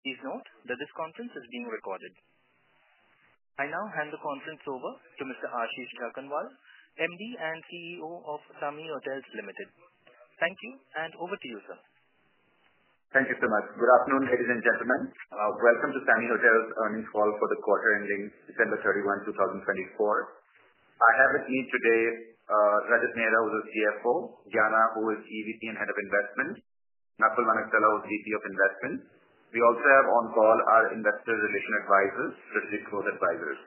Please note that this conference is being recorded. I now hand the conference over to Mr. Ashish Jakhanwala, MD and CEO of SAMHI Hotels Limited. Thank you, and over to you, sir. Thank you so much. Good afternoon, ladies and gentlemen. Welcome to SAMHI Hotels' earnings call for the quarter ending December 31, 2024. I have with me today Rajat Mehra, who's a CFO, Gyana, who is EVP and Head of Investments, and Nakul Mathur, who's VP of Investments. We also have on call our investor relation advisors, Strategic Growth Advisors.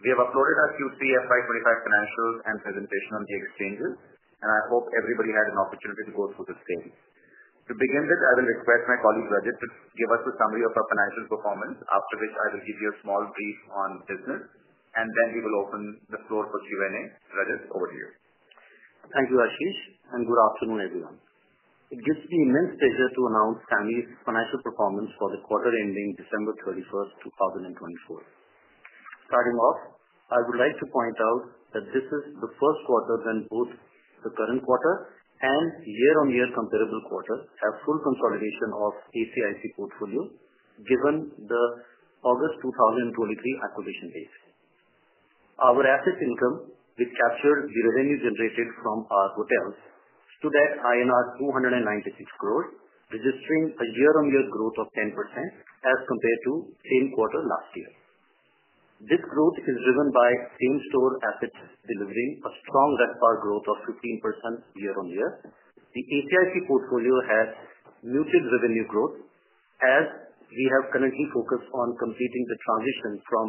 We have uploaded our Q3 FY 2025 financials and presentation on the exchanges, and I hope everybody had an opportunity to go through the same. To begin with, I will request my colleague Rajat to give us a summary of our financial performance, after which I will give you a small brief on business, and then we will open the floor for Q&A. Rajat, over to you. Thank you, Ashish, and good afternoon, everyone. It gives me immense pleasure to announce SAMHI's financial performance for the quarter ending December 31, 2024. Starting off, I would like to point out that this is the first quarter when both the current quarter and year-on-year comparable quarters have full consolidation of ACIC portfolio, given the August 2023 acquisition date. Our asset income, which captured the revenue generated from our hotels, stood at INR 296 crore, registering a year-on-year growth of 10% as compared to the same quarter last year. This growth is driven by same-store assets delivering a strong RevPAR growth of 15% year-on-year. The ACIC portfolio has muted revenue growth, as we have currently focused on completing the transition from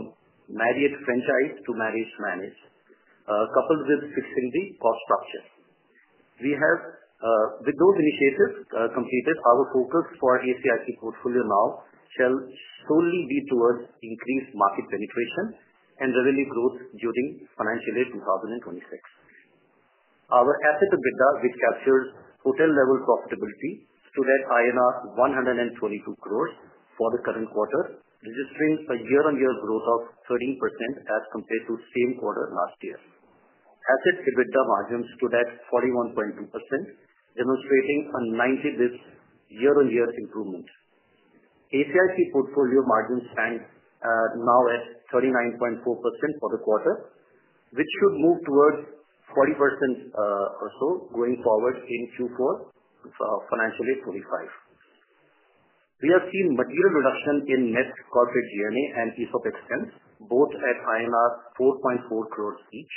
franchise to managed, coupled with fixing the cost structure. With those initiatives completed, our focus for ACIC portfolio now shall solely be towards increased market penetration and revenue growth during financial year 2026. Our asset EBITDA, which captures hotel-level profitability, stood at INR 122 crore for the current quarter, registering a year-on-year growth of 13% as compared to the same quarter last year. Asset EBITDA margins stood at 41.2%, demonstrating a 90 basis points year-on-year improvement. ACIC portfolio margins stand now at 39.4% for the quarter, which should move towards 40% or so going forward in Q4 financial year 2025. We have seen material reduction in net corporate G&A and ESOP expense, both at INR 4.4 crores each.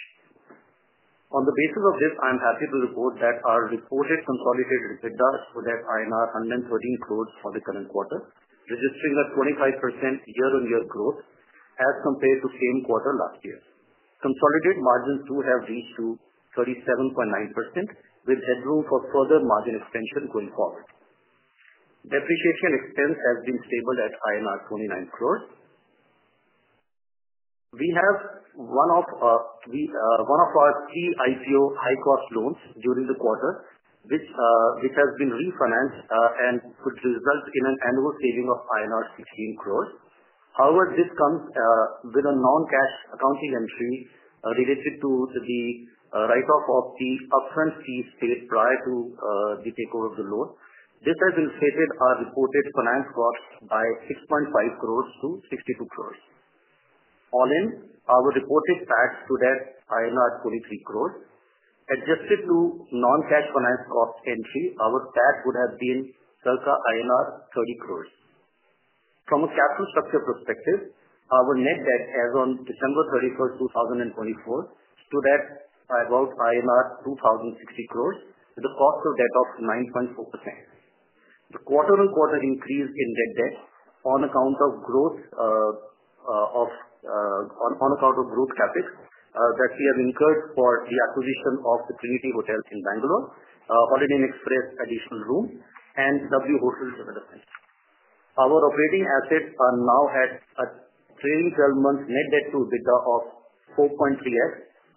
On the basis of this, I'm happy to report that our reported consolidated EBITDA stood at 113 crores for the current quarter, registering a 25% year-on-year growth as compared to the same quarter last year. Consolidated margins too have reached 37.9%, with headroom for further margin extension going forward. Depreciation expense has been stable at INR 29 crores. We have one of our three IPO high-cost loans during the quarter, which has been refinanced and could result in an annual saving of INR 16 crores. However, this comes with a non-cash accounting entry related to the write-off of the upfront fee paid prior to the takeover of the loan. This has inflated our reported finance cost by 6.5 crores to 62 crores. All in, our reported tax stood at INR 23 crores. Adjusted to non-cash finance cost entry, our tax would have been circa INR 30 crores. From a capital structure perspective, our net debt as of December 31, 2024, stood at about 2,060 crores, with a cost of debt of 9.4%. The quarter-on-quarter increase in net debt on account of growth CapEx that we have incurred for the acquisition of the Trinity Hotel in Bengaluru, Holiday Inn Express additional rooms, and W Hotel development. Our operating assets are now at a trailing 12-month net debt to EBITDA of 4.3x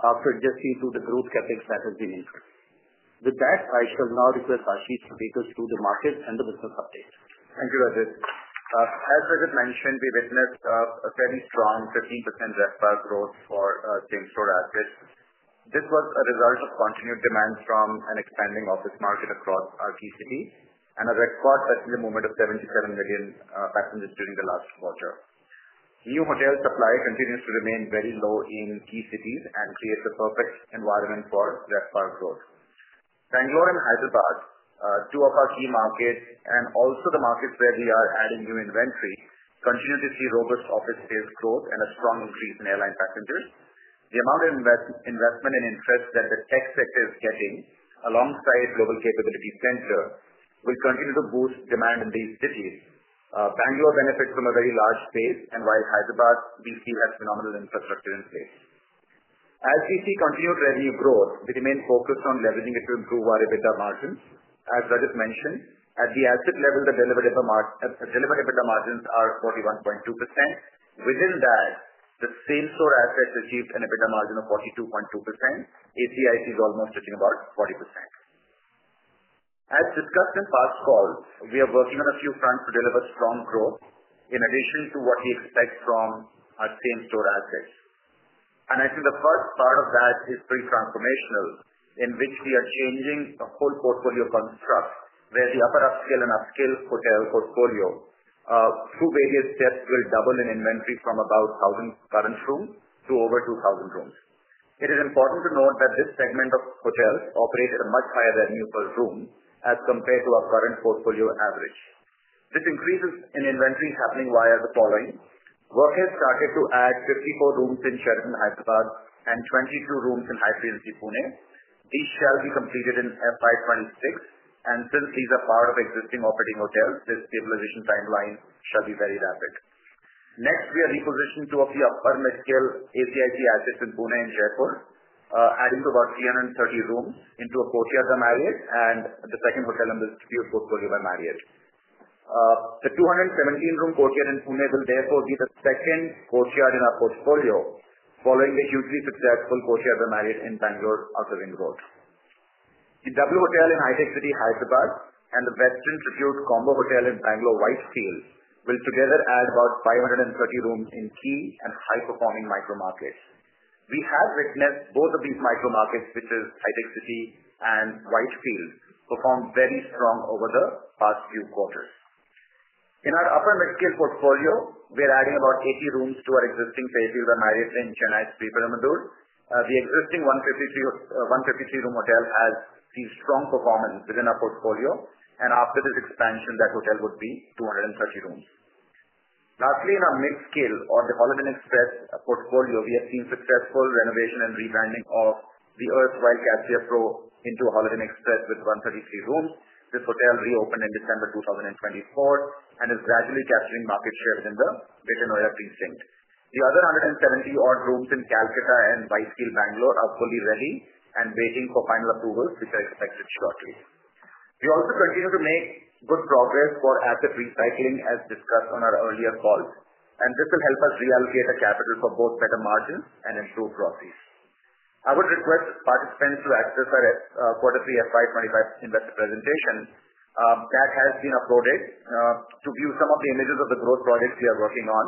after adjusting to the growth CapEx that has been incurred. With that, I shall now request Ashish to take us through the markets and the business update. Thank you, Rajat. As Rajat mentioned, we witnessed a fairly strong 15% RevPAR growth for same-store assets. This was a result of continued demand from an expanding office market across our key cities and a record passenger movement of 77 million passengers during the last quarter. New hotel supply continues to remain very low in key cities and creates a perfect environment for RevPAR growth. Bangalore and Hyderabad, two of our key markets and also the markets where we are adding new inventory, continue to see robust office space growth and a strong increase in airline passengers. The amount of investment and interest that the tech sector is getting, alongside Global Capability Center, will continue to boost demand in these cities. Bangalore benefits from a very large space, and while Hyderabad, we still have phenomenal infrastructure in place. As we see continued revenue growth, we remain focused on leveraging it to improve our EBITDA margins. As Rajat mentioned, at the asset level, the delivered EBITDA margins are 41.2%. Within that, the same-store assets achieved an EBITDA margin of 42.2%. ACIC is almost touching about 40%. As discussed in past calls, we are working on a few fronts to deliver strong growth in addition to what we expect from our same-store assets. And I think the first part of that is pretty transformational, in which we are changing the whole portfolio construct, where the upper-upscale and upscale hotel portfolio, through various steps, will double in inventory from about 1,000 current rooms to over 2,000 rooms. It is important to note that this segment of hotels operates at a much higher revenue per room as compared to our current portfolio average. This increase in inventory is happening via the following: work has started to add 54 rooms in Sheraton Hyderabad, and 22 rooms in Hyatt Regency Pune. These shall be completed in FY 2026, and since these are part of existing operating hotels, this stabilization timeline shall be very rapid. Next, we are repositioning two of the upper-mid-scale ACIC assets in Pune and Jaipur, adding to about 330 rooms into a Courtyard by Marriott and the second hotel in the portfolio by Marriott. The 217-room Courtyard in Pune will therefore be the second Courtyard in our portfolio, following the hugely successful Courtyard by Marriott in Bengaluru on Sarjapur Road. The W Hotel in HITEC City, Hyderabad, and the Westin Tribute Portfolio hotel in Bengaluru, Whitefield, will together add about 530 rooms in key and high-performing micro-markets. We have witnessed both of these micro-markets, which are HITEC City and Whitefield, perform very strong over the past few quarters. In our upper-mid-scale portfolio, we are adding about 80 rooms to our existing Fairfield by Marriott in Chennai, Sriperumbudur. The existing 153-room hotel has seen strong performance within our portfolio, and after this expansion, that hotel would be 230 rooms. Lastly, in our mid-scale or the Holiday Inn Express portfolio, we have seen successful renovation and rebranding of the Caspia Pro Greater Noida into a Holiday Inn Express with 133 rooms. This hotel reopened in December 2024 and is gradually capturing market share within the Greater Noida precinct. The other 170-odd rooms in Kolkata and Whitefield, Bengaluru, are fully ready and waiting for final approvals, which are expected shortly. We also continue to make good progress for asset recycling, as discussed on our earlier calls, and this will help us reallocate our capital for both better margins and improved properties. I would request participants to access our quarter 3 FY 2025 investor presentation that has been uploaded to view some of the images of the growth projects we are working on.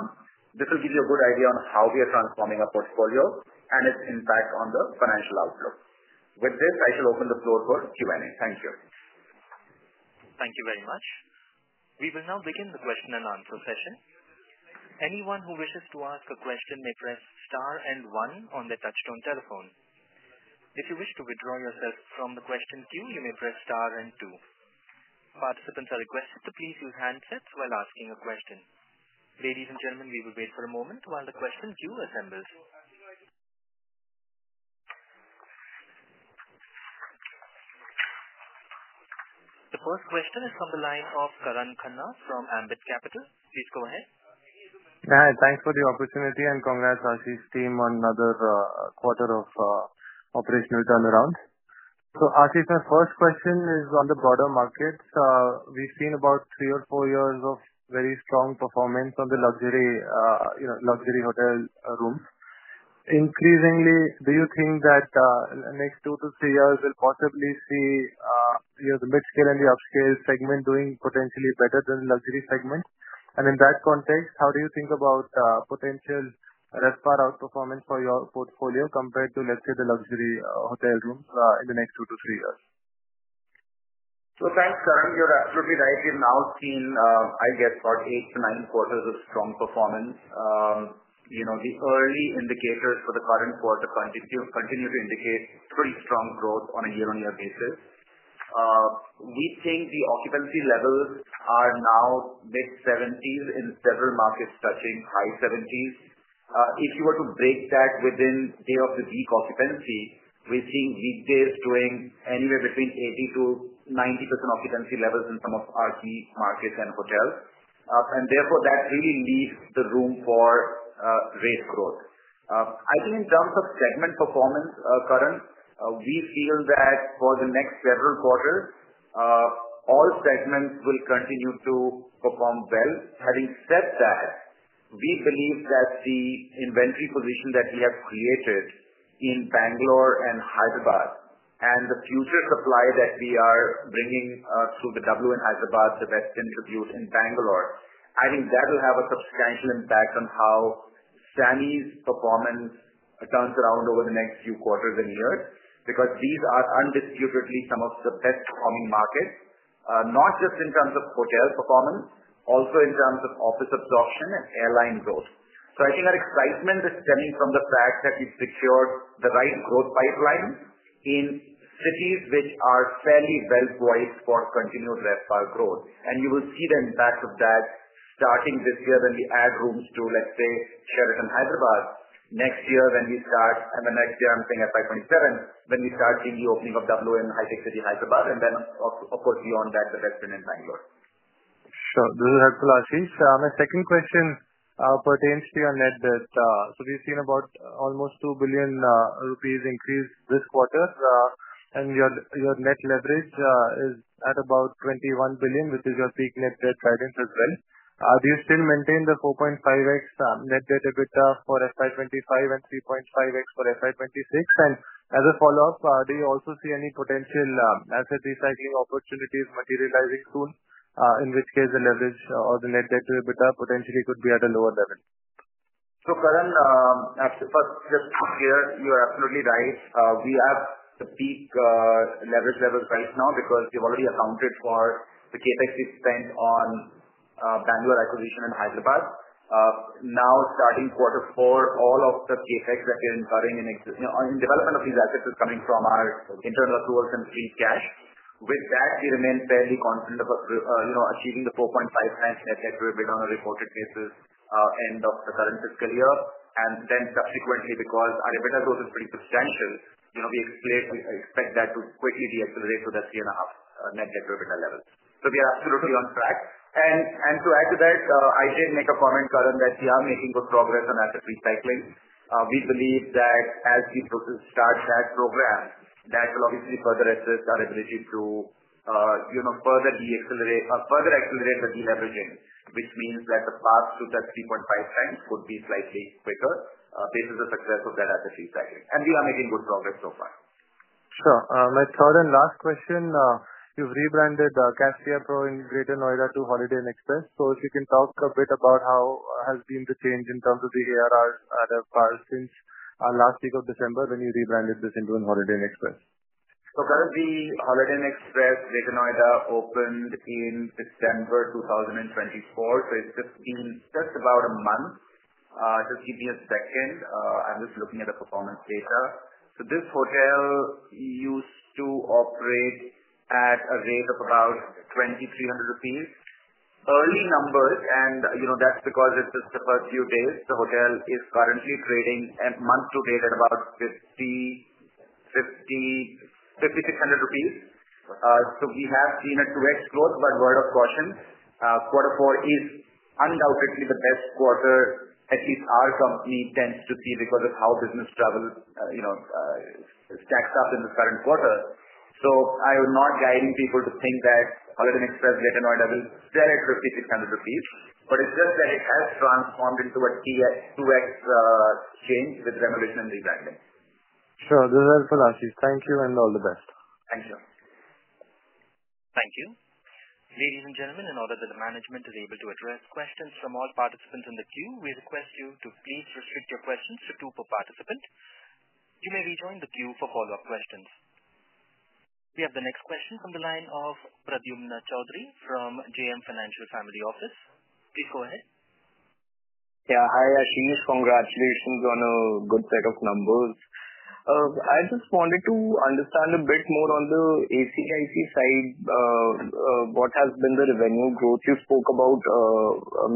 This will give you a good idea on how we are transforming our portfolio and its impact on the financial outlook. With this, I shall open the floor for Q&A. Thank you. Thank you very much. We will now begin the question and answer session. Anyone who wishes to ask a question may press star and one on their touch-tone telephone. If you wish to withdraw yourself from the question queue, you may press star and two. Participants are requested to please use handsets while asking a question. Ladies and gentlemen, we will wait for a moment while the question queue assembles. The first question is from the line of Karan Khanna from Ambit Capital. Please go ahead. Thanks for the opportunity, and congrats to Ashish's team on another quarter of operational turnaround. So Ashish, my first question is on the broader markets. We've seen about three or four years of very strong performance on the luxury hotel rooms. Increasingly, do you think that the next two to three years will possibly see the mid-scale and the upscale segment doing potentially better than the luxury segment? And in that context, how do you think about potential RevPAR outperformance for your portfolio compared to, let's say, the luxury hotel rooms in the next two to three years? Thanks, Karan. You're absolutely right. We've now seen, I guess, about eight to nine quarters of strong performance. The early indicators for the current quarter continue to indicate pretty strong growth on a year-on-year basis. We think the occupancy levels are now mid-70s in several markets touching high 70s. If you were to break that within day-of-the-week occupancy, we're seeing weekdays doing anywhere between 80%-90% occupancy levels in some of our key markets and hotels. And therefore, that really leaves the room for rate growth. I think in terms of segment performance, Karan, we feel that for the next several quarters, all segments will continue to perform well. Having said that, we believe that the inventory position that we have created in Bangalore and Hyderabad and the future supply that we are bringing through the W in Hyderabad, the Westin Tribute in Bangalore, I think that will have a substantial impact on how SAMHI's performance turns around over the next few quarters and years because these are undisputedly some of the best-performing markets, not just in terms of hotel performance, also in terms of office absorption and airline growth, so I think our excitement is stemming from the fact that we've secured the right growth pipeline in cities which are fairly well-poised for continued RevPAR growth. You will see the impact of that starting this year when we add rooms to, let's say, Sheraton Hyderabad next year when we start, and the next year, I'm saying FY 2027, when we start seeing the opening of W in Hitec City, Hyderabad, and then, of course, beyond that, the Westin in Bangalore. Sure. This is helpful, Ashish. My second question pertains to your net debt. So we've seen about almost 2 billion rupees increase this quarter, and your net leverage is at about 21 billion, which is your peak net debt guidance as well. Do you still maintain the 4.5x net debt EBITDA for FY 2025 and 3.5x for FY 2026? And as a follow-up, do you also see any potential asset recycling opportunities materializing soon, in which case the leverage or the net debt EBITDA potentially could be at a lower level? So, Karan, first, just to be clear, you are absolutely right. We have the peak leverage levels right now because we've already accounted for the CapEx we've spent on Bangalore acquisition and Hyderabad. Now, starting quarter four, all of the CapEx that we're incurring in development of these assets is coming from our internal accruals and free cash. With that, we remain fairly confident of achieving the 4.5x net debt EBITDA on a reported basis end of the current fiscal year. And then subsequently, because our EBITDA growth is pretty substantial, we expect that to quickly de-lever to that 3.5 net debt EBITDA level. So we are absolutely on track. And to add to that, I did make a comment, Karan, that we are making good progress on asset recycling. We believe that as we start that program, that will obviously further assist our ability to further accelerate the deleveraging, which means that the path to that 3.5x would be slightly quicker based on the success of that asset recycling, and we are making good progress so far. Sure. My third and last question. You've rebranded Caspia Pro in Greater Noida to Holiday Inn Express. So if you can talk a bit about how has been the change in terms of the ADR RevPAR since last week of December when you rebranded this into a Holiday Inn Express? Karan, the Holiday Inn Express Greater Noida opened in December 2024, so it's just been just about a month. Just give me a second. I'm just looking at the performance data. This hotel used to operate at a rate of about 2,300 rupees. Early numbers, and that's because it's just the first few days. The hotel is currently trading month-to-date at about 5,600 rupees. We have seen a 2x growth, but word of caution, quarter four is undoubtedly the best quarter, at least our company tends to see because of how business travel stacks up in this current quarter. I am not guiding people to think that Holiday Inn Express Greater Noida will sell at INR 5,600, but it's just that it has transformed into a 2x change with renovation and rebranding. Sure. This is helpful, Ashish. Thank you and all the best. Thank you. Thank you. Ladies and gentlemen, in order that the management is able to address questions from all participants in the queue, we request you to please restrict your questions to two per participant. You may rejoin the queue for follow-up questions. We have the next question from the line of Pradyumna Choudhary from JM Financial Family Office. Please go ahead. Yeah. Hi, Ashish. Congratulations on a good set of numbers. I just wanted to understand a bit more on the ACIC side, what has been the revenue growth you spoke about,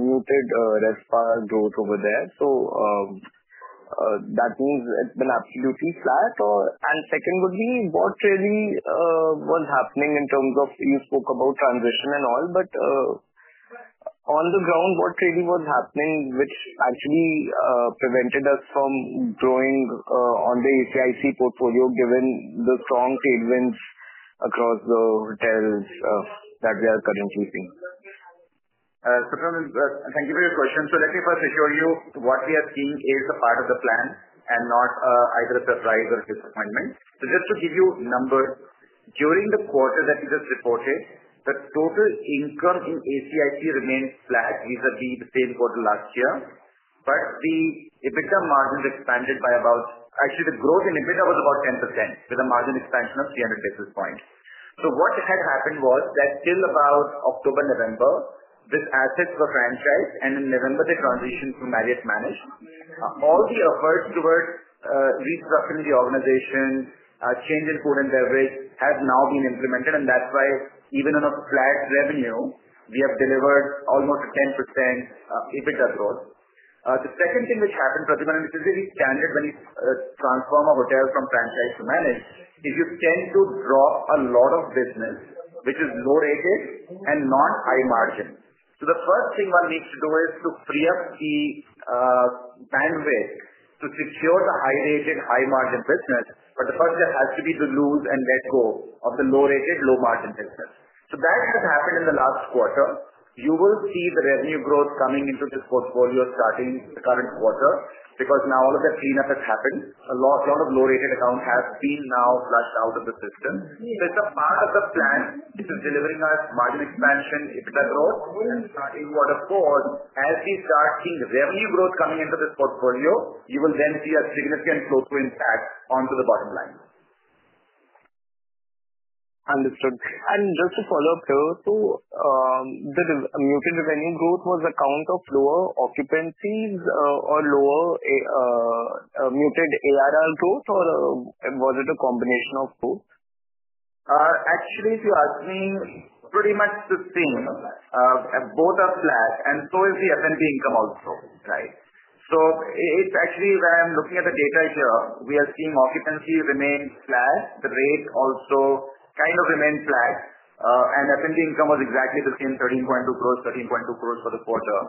muted RevPAR growth over there. So that means it's been absolutely flat. And second would be what really was happening in terms of you spoke about transition and all, but on the ground, what really was happening, which actually prevented us from growing on the ACIC portfolio given the strong tailwinds across the hotels that we are currently seeing? So, Karan, thank you for your question. So let me first assure you what we are seeing is a part of the plan and not either a surprise or disappointment. So just to give you numbers, during the quarter that we just reported, the total income in ACIC remained flat vis-à-vis the same quarter last year, but the EBITDA margin expanded by about actually, the growth in EBITDA was about 10% with a margin expansion of 300 basis points. So what had happened was that till about October, November, this asset was franchised, and in November, they transitioned to Marriott managed. All the efforts towards restructuring the organization, change in food and beverage have now been implemented, and that's why even on a flat revenue, we have delivered almost a 10% EBITDA growth. The second thing which happened, Pradyumna, and this is very standard when you transform a hotel from franchise to managed, is you tend to drop a lot of business which is low-rated and not high-margin. The first thing one needs to do is to free up the bandwidth to secure the high-rated, high-margin business, but the first step has to be to lose and let go of the low-rated, low-margin business. That has happened in the last quarter. You will see the revenue growth coming into this portfolio starting the current quarter because now all of that cleanup has happened. A lot of low-rated accounts have been now flushed out of the system. It's a part of the plan. It is delivering us margin expansion, EBITDA growth, and starting quarter four, as we start seeing revenue growth coming into this portfolio, you will then see a significant flow-through impact onto the bottom line. Understood. And just to follow up there, so the muted revenue growth was on account of lower occupancies or lower muted ARR growth, or was it a combination of both? Actually, if you ask me, pretty much the same. Both are flat, and so is the F&B income also, right? So it's actually when I'm looking at the data here, we are seeing occupancy remain flat. The rate also kind of remained flat, and F&B income was exactly the same, 13.2 crores, 13.2 crores for the quarter.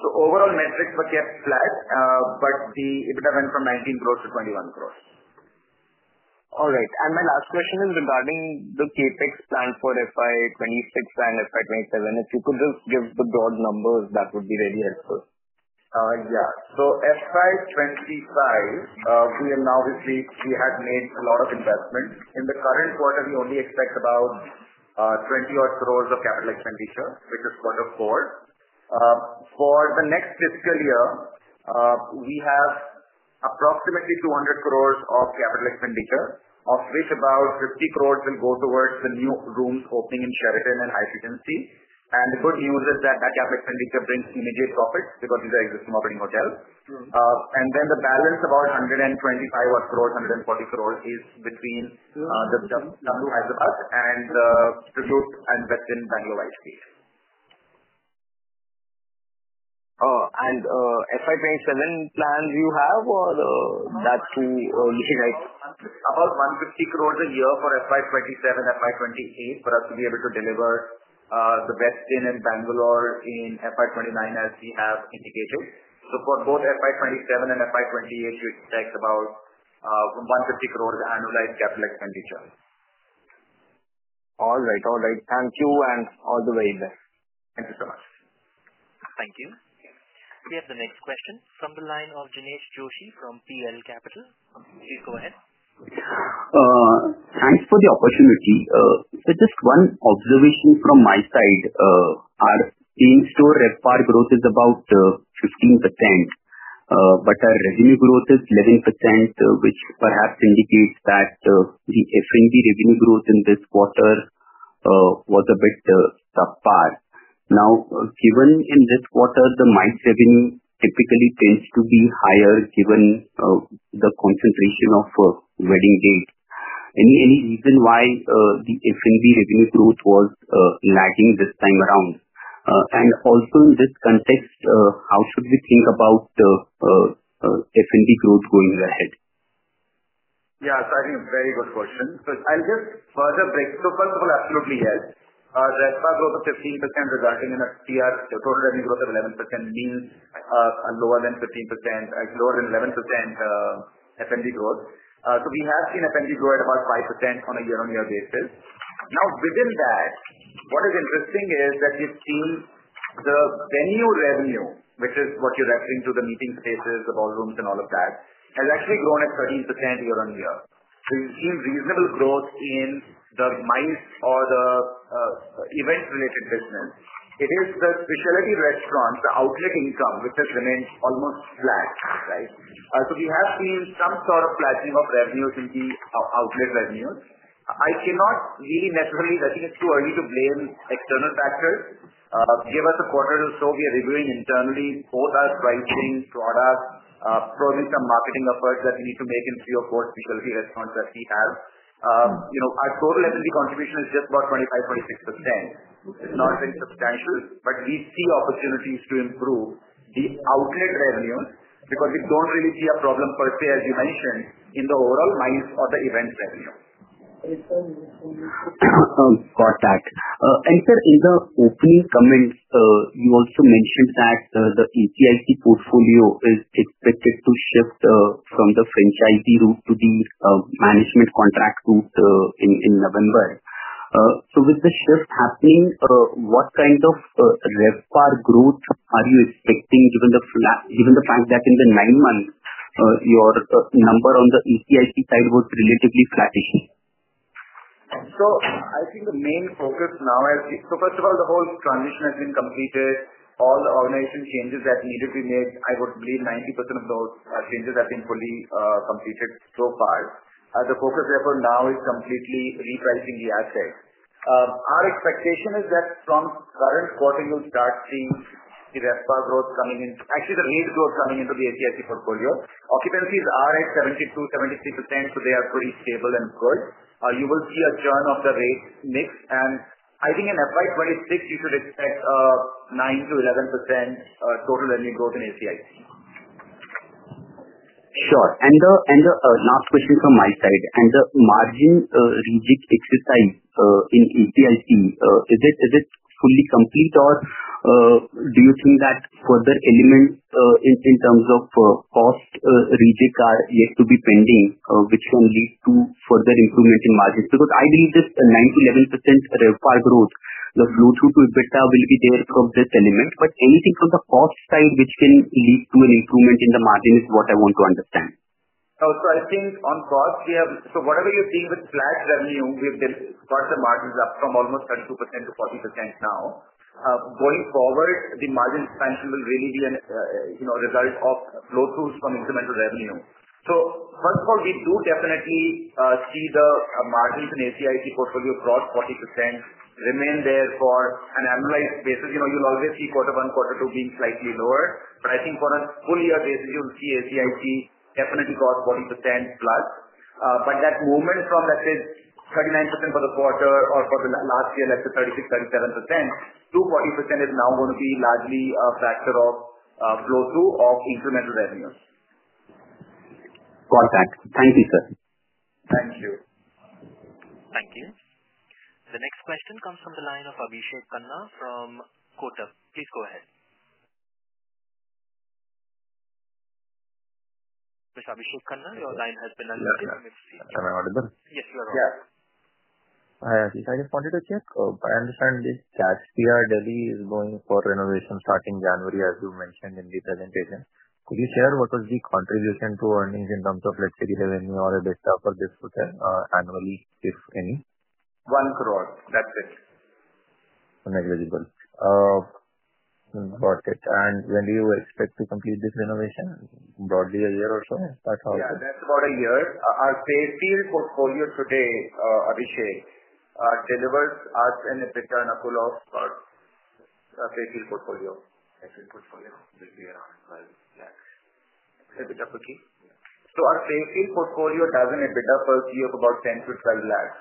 So overall metrics were kept flat, but the EBITDA went from 19 crores to 21 crores. All right. And my last question is regarding the CapEx plan for FY 2026 and FY 2027. If you could just give the broad numbers, that would be really helpful. Yeah, so FY 2025, we have made a lot of investment. In the current quarter, we only expect about 20-odd crores of capital expenditure, which is quarter four. For the next fiscal year, we have approximately 200 crores of capital expenditure, of which about 50 crores will go towards the new rooms opening in Sheraton and Hyderabad. And the good news is that that capital expenditure brings immediate profits because these are existing operating hotels, and then the balance, about 125-140 crores, is between the W Hyderabad and the Tribute and Westin Bangalore, and IHG. Oh, and FY 2027 plans you have or that's too early, right? About 150 crores a year for FY 2027, FY 2028 for us to be able to deliver the Westin in Bangalore in FY 2029 as we have indicated. So for both FY 2027 and FY 2028, you expect about 150 crores annualized capital expenditure. All right. All right. Thank you, and all the very best. Thank you so much. Thank you. We have the next question from the line of Jinesh Joshi from PL Capital. Please go ahead. Thanks for the opportunity. So just one observation from my side. Our same-store RevPAR growth is about 15%, but our revenue growth is 11%, which perhaps indicates that the F&B revenue growth in this quarter was a bit subpar. Now, given in this quarter, the month revenue typically tends to be higher given the concentration of wedding dates. Any reason why the F&B revenue growth was lagging this time around? And also in this context, how should we think about F&B growth going ahead? Yeah. So I think a very good question. So I'll just further break it. So first of all, absolutely yes. RevPAR growth of 15% resulting in a total revenue growth of 11% means lower than 15%, lower than 11% F&B growth. So we have seen F&B grow at about 5% on a year-on-year basis. Now, within that, what is interesting is that we've seen the venue revenue, which is what you're referring to, the meeting spaces, the ballrooms, and all of that, has actually grown at 13% year-on-year. So you've seen reasonable growth in the MICE or the event-related business. It is the specialty restaurants, the outlet income, which has remained almost flat, right? So we have seen some sort of flattening of revenues in the outlet revenues. I cannot really necessarily. I think it's too early to blame external factors. Give us a quarter or so. We are reviewing internally both our pricing, product, probably some marketing efforts that we need to make in three or four specialty restaurants that we have. Our total F&B contribution is just about 25%, 26%. It's not very substantial, but we see opportunities to improve the outlet revenues because we don't really see a problem per se, as you mentioned, in the overall month or the event revenue. Got that. And sir, in the opening comments, you also mentioned that the ACIC portfolio is expected to shift from the franchisee route to the management contract route in November. So with the shift happening, what kind of RevPAR growth are you expecting given the fact that in the nine months, your number on the ACIC side was relatively flattish? I think the main focus now has been, so first of all, the whole transition has been completed. All the organization changes that needed to be made, I would believe 90% of those changes have been fully completed so far. The focus therefore now is completely repricing the asset. Our expectation is that from current quarter, you'll start seeing the RevPAR growth coming into, actually, the rate growth coming into the ACIC portfolio. Occupancies are at 72%, 73%, so they are pretty stable and good. You will see a churn of the rate mix, and I think in FY 2026, you should expect 9%-11% total revenue growth in ACIC. Sure. And the last question from my side. And the margin rejig exercise in ACIC, is it fully complete, or do you think that further elements in terms of cost rejig are yet to be pending, which can lead to further improvement in margins? Because I believe this 9%-11% RevPAR growth, the flow-through to EBITDA will be there from this element, but anything from the cost side, which can lead to an improvement in the margin, is what I want to understand. Oh, so I think on cost, we have, so whatever you're seeing with flat revenue, we've got the margins up from almost 32% to 40% now. Going forward, the margin expansion will really be a result of flow-throughs from incremental revenue. So first of all, we do definitely see the margins in ACIC portfolio across 40% remain there for an annualized basis. You'll always see quarter one, quarter two being slightly lower, but I think on a full-year basis, you'll see ACIC definitely across 40%+. But that movement from, let's say, 39% for the quarter or for the last year, let's say 36%, 37% to 40% is now going to be largely a factor of flow-through of incremental revenues. Got that. Thank you, sir. Thank you. Thank you. The next question comes from the line of Abhishek Khandelwal from Kotak Securities. Please go ahead. Mr. Abhishek Khandelwal, your line has been unmuted. Am I audible? Yes, you are audible. Yes. Hi, Ashish. I just wanted to check. I understand that Caspia Delhi is going for renovation starting January, as you mentioned in the presentation. Could you share what was the contribution to earnings in terms of, let's say, the revenue or EBITDA for this hotel annually, if any? 1 crore. That's it. Negligible. Got it. And when do you expect to complete this renovation? Broadly, a year or so? Yeah. That's about a year. Our Fairfield portfolio today, Abhishek, delivers us an EBITDA and a core Fairfield portfolio. Fairfield portfolio will be around INR 12 lakhs. EBITDA per key? So our Fairfield portfolio does an EBITDA per key of about 10-12 lakhs.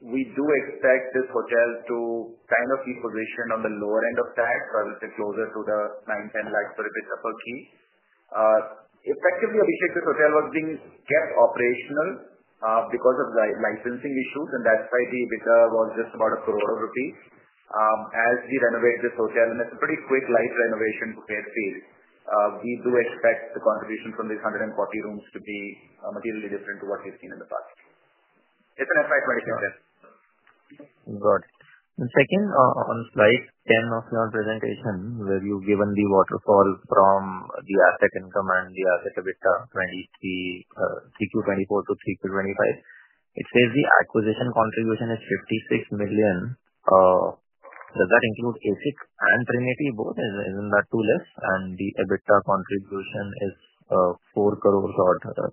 We do expect this hotel to kind of be positioned on the lower end of that, so I would say closer to the 9, 10 lakhs per EBITDA per key. Effectively, Abhishek, this hotel was being kept operational because of licensing issues, and that's why the EBITDA was just about 1 crore rupees as we renovate this hotel. And it's a pretty quick, light renovation to Fairfield. We do expect the contribution from these 140 rooms to be materially different to what we've seen in the past. It's an FY 2022. Got it. The second on slide 10 of your presentation, where you've given the waterfall from the asset income and the asset EBITDA CQ24 to CQ25, it says the acquisition contribution is 56 million. Does that include ACIC and Trinity both? Isn't that too less? The EBITDA contribution is 4 crore?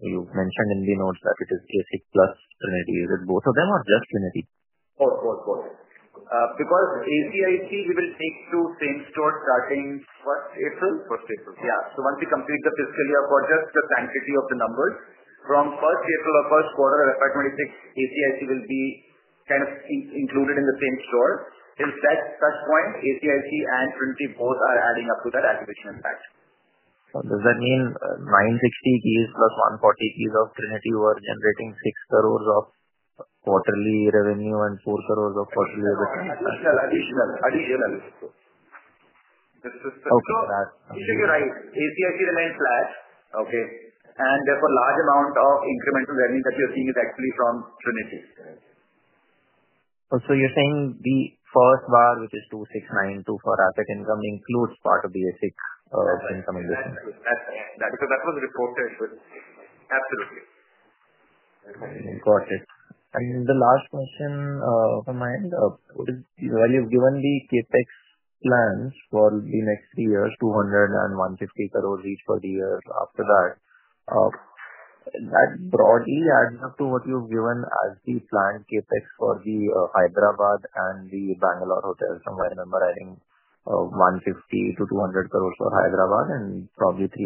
You've mentioned in the notes that it is ACIC plus Trinity. Is it both of them or just Trinity? Because ACIC, we will take two same stores starting 1st April. 1st April. Yeah. So once we complete the fiscal year for just the sanctity of the numbers, from 1st April or 1st quarter of FY 2026, ACIC will be kind of included in the same store. Since that touchpoint, ACIC and Trinity both are adding up to that acquisition impact. Does that mean 960 keys plus 140 keys of Trinity were generating 6 crores of quarterly revenue and 4 crores of quarterly EBITDA? Additional. Okay. You should be right. ACIC remains flat, and therefore, a large amount of incremental revenue that you're seeing is actually from Trinity. You're saying the first bar, which is 2,692 for asset income, includes part of the ACIC income in this one? That's right. That's right. Because that was reported. Absolutely. Got it, and the last question from my end, while you've given the CapEx plans for the next three years, 200 and 150 crores each for the year after that, that broadly adds up to what you've given as the planned CapEx for the Hyderabad and the Bangalore hotels. From what I remember, adding 150 to 200 crores for Hyderabad and probably 300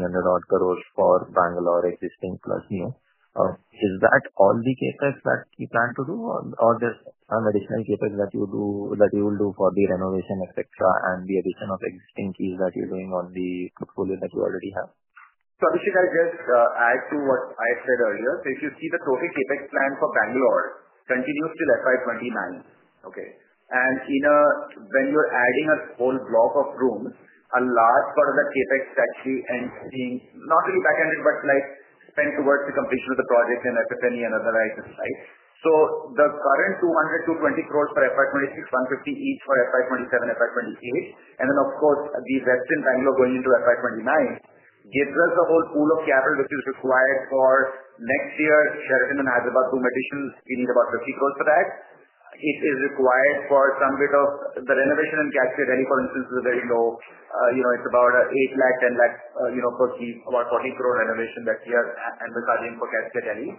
crores for Bangalore existing plus new. Is that all the CapEx that you plan to do, or there's some additional CapEx that you will do for the renovation, etc., and the addition of existing keys that you're doing on the portfolio that you already have? So Abhishek, I'll just add to what I said earlier. So if you see the total CapEx plan for Bangalore continues till FY 2029, okay? And when you're adding a whole block of rooms, a large part of that CapEx actually ends being not really back-ended, but spent towards the completion of the project and FF&E and other items, right? So the current 200-220 crores for FY 2026, 150 each for FY 2027, FY 2028. And then, of course, the Westin Bangalore going into FY 2029 gives us a whole pool of capital which is required for next year, Sheraton Hyderabad, two additions. We need about 50 crores for that. It is required for some bit of the renovation in Caspia Delhi, for instance, is very low. It's about 8 lakh, 10 lakh per key, about 14 crore renovation that year, and we're charging for Caspia Delhi.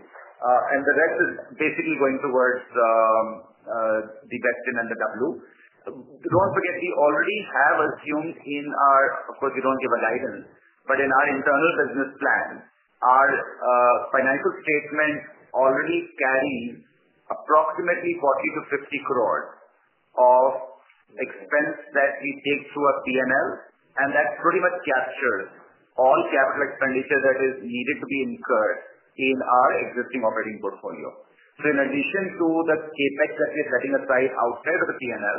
The rest is basically going towards the Westin and the W. Don't forget, we already have assumed in our, of course, we don't give a guidance, but in our internal business plan, our financial statements already carry approximately 40-50 crore of expense that we take through our P&L, and that pretty much captures all capital expenditure that is needed to be incurred in our existing operating portfolio. So in addition to the CapEx that we're setting aside outside of the P&L,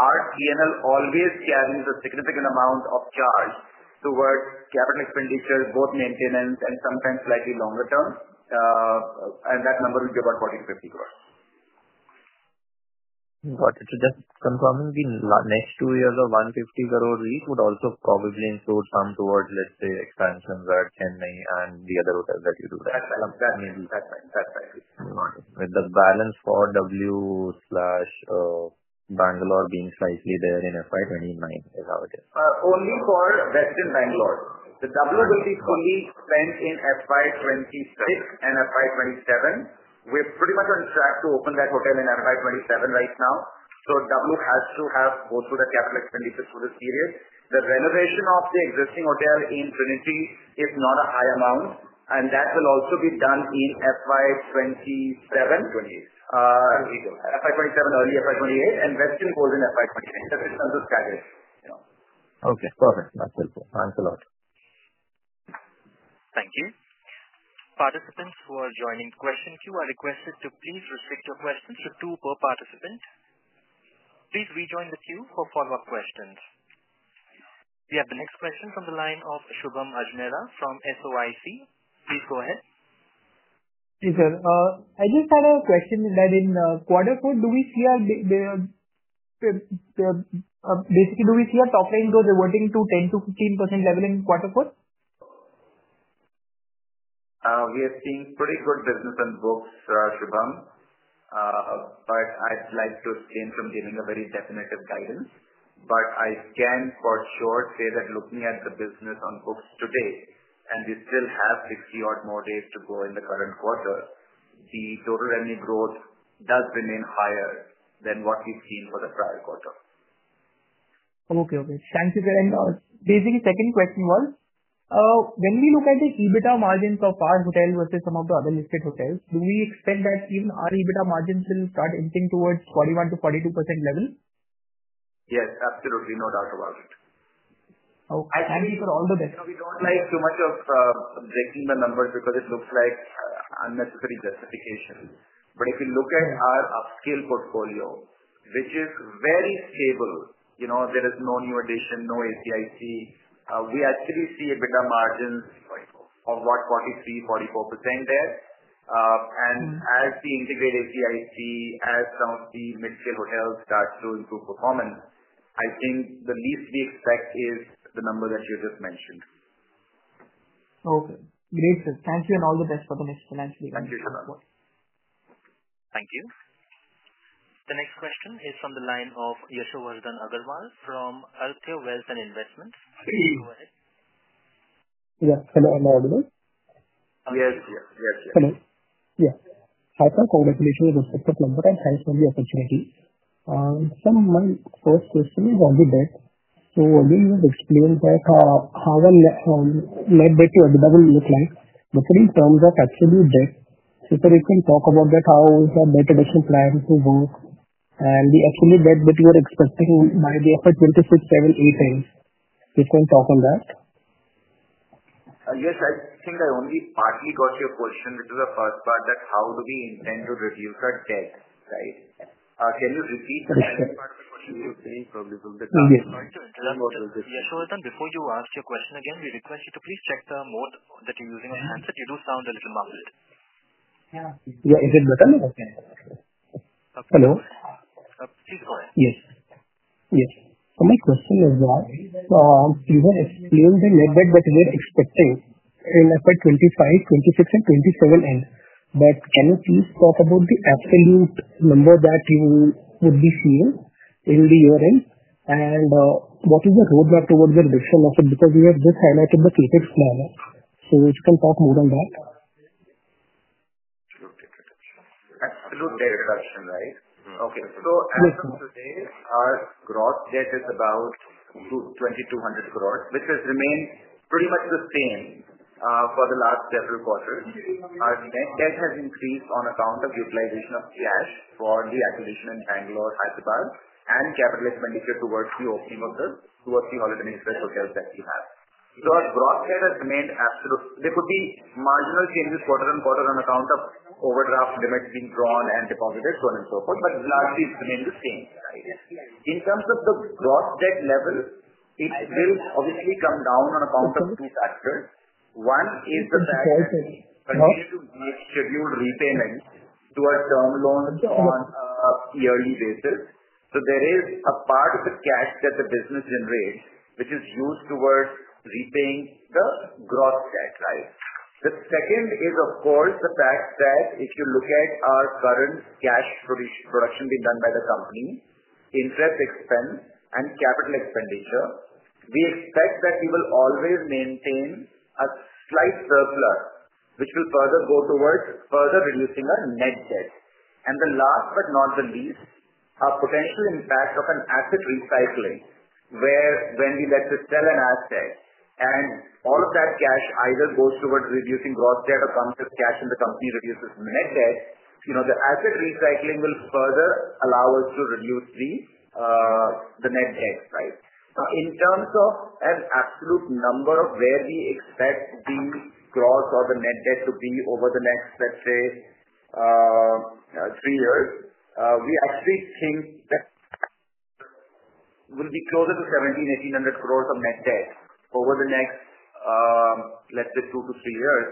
our P&L always carries a significant amount of charge towards capital expenditure, both maintenance and sometimes slightly longer term, and that number will be about 40-50 crore. Got it. So just confirming, the next two years of 150 crore each would also probably include some towards, let's say, expansions at Chennai and the other hotels that you do that. That's right. That's right. With the balance for Whitefield, Bengaluru being slightly there in FY 2029, is how it is? Only for Westin Bangalore. The W will be fully spent in FY 2026 and FY 2027. We're pretty much on track to open that hotel in FY 2027 right now. So W has to go through the capital expenditure through this period. The renovation of the existing hotel in Trinity is not a high amount, and that will also be done in FY 2027. 28. FY 2027, early FY 2028, and The Westin goes in FY 2029. That's in terms of staggering. Okay. Perfect. That's helpful. Thanks a lot. Thank you. Participants who are joining the question queue are requested to please restrict your questions to two per participant. Please rejoin the queue for follow-up questions. We have the next question from the line of Shubham Ajmera from SOIC. Please go ahead. Yes, sir. I just had a question that in Quarter 4, do we see our, basically, do we see our top line go reverting to 10%-15% level in Quarter 4? We are seeing pretty good business on books, Shubham, but I'd like to refrain from giving a very definitive guidance, but I can for sure say that looking at the business on books today, and we still have 60 or more days to go in the current quarter, the total revenue growth does remain higher than what we've seen for the prior quarter. Okay. Okay. Thank you, sir. And basically, second question was, when we look at the EBITDA margins of our hotel versus some of the other listed hotels, do we expect that even our EBITDA margins will start edging towards 41%-42% level? Yes. Absolutely. No doubt about it. Okay. I mean, for all the best. We don't like too much of breaking the numbers because it looks like unnecessary justification. But if you look at our upscale portfolio, which is very stable, there is no new addition, no ACIC, we actually see EBITDA margins of about 43%-44% there. And as the integrated ACIC, as some of the mid-scale hotels start to improve performance, I think the least we expect is the number that you just mentioned. Okay. Great, sir. Thank you, and all the best for the next financial year. Thank you, Shubham. Thank you. The next question is from the line of Yashovardhan Agarwal from Arthya Wealth and Investments. Please go ahead. Yes. Hello and how are you? Yes. Yes. Yes. Hello. Yes. Hi, sir. Congratulations on your successful IPO, and thanks for the opportunity. Sir, my first question is on the debt. So you just explained that how a net debt to EBITDA will look like, but in terms of actual debt, if we can talk about that, how is that net additional plan to work, and the actual debt that you are expecting by the FY 2026, 7, 8, 10? If we can talk on that. Yes. I think I only partly got your question, which is the first part, that how do we intend to reduce our debt, right? Can you repeat the second part of the question? Yes. Yes. Yashovardhan, before you ask your question again, we request you to please check the mode that you're using on handset. You do sound a little muffled. Yeah. Is it better? Okay. Hello? Please go ahead. Yes. Yes. So my question is that you have explained the net debt that we are expecting in FY 2025, 2026, and 2027 end, but can you please talk about the absolute number that you would be seeing in the year end, and what is the roadmap towards the reduction of it? Because you have just highlighted the CapEx plan. So if you can talk more on that. Absolute reduction. Absolute reduction, right? Okay. So as of today, our gross debt is about 2,200 crore, which has remained pretty much the same for the last several quarters. Our net debt has increased on account of utilization of cash for the acquisition in Bangalore, Hyderabad, and capital expenditure towards the opening of the holiday hotels that we have. So our gross debt has remained absolute. There could be marginal changes quarter on quarter on account of overdraft limits being drawn and deposited, so on and so forth, but largely, it's remained the same. In terms of the gross debt level, it will obviously come down on account of two factors. One is the fact that we continue to make scheduled repayments to our term loans on a yearly basis. There is a part of the cash that the business generates, which is used towards repaying the gross debt, right? The second is, of course, the fact that if you look at our current cash production being done by the company, interest expense, and capital expenditure, we expect that we will always maintain a slight surplus, which will further go towards further reducing our net debt. The last but not the least is a potential impact of an asset recycling, where when we sell an asset and all of that cash either goes towards reducing gross debt or comes as cash and the company reduces net debt, the asset recycling will further allow us to reduce the net debt, right? In terms of an absolute number of where we expect the gross or the net debt to be over the next, let's say, three years, we actually think that we'll be closer to 1,700, 1,800 crores of net debt over the next, let's say, two to three years,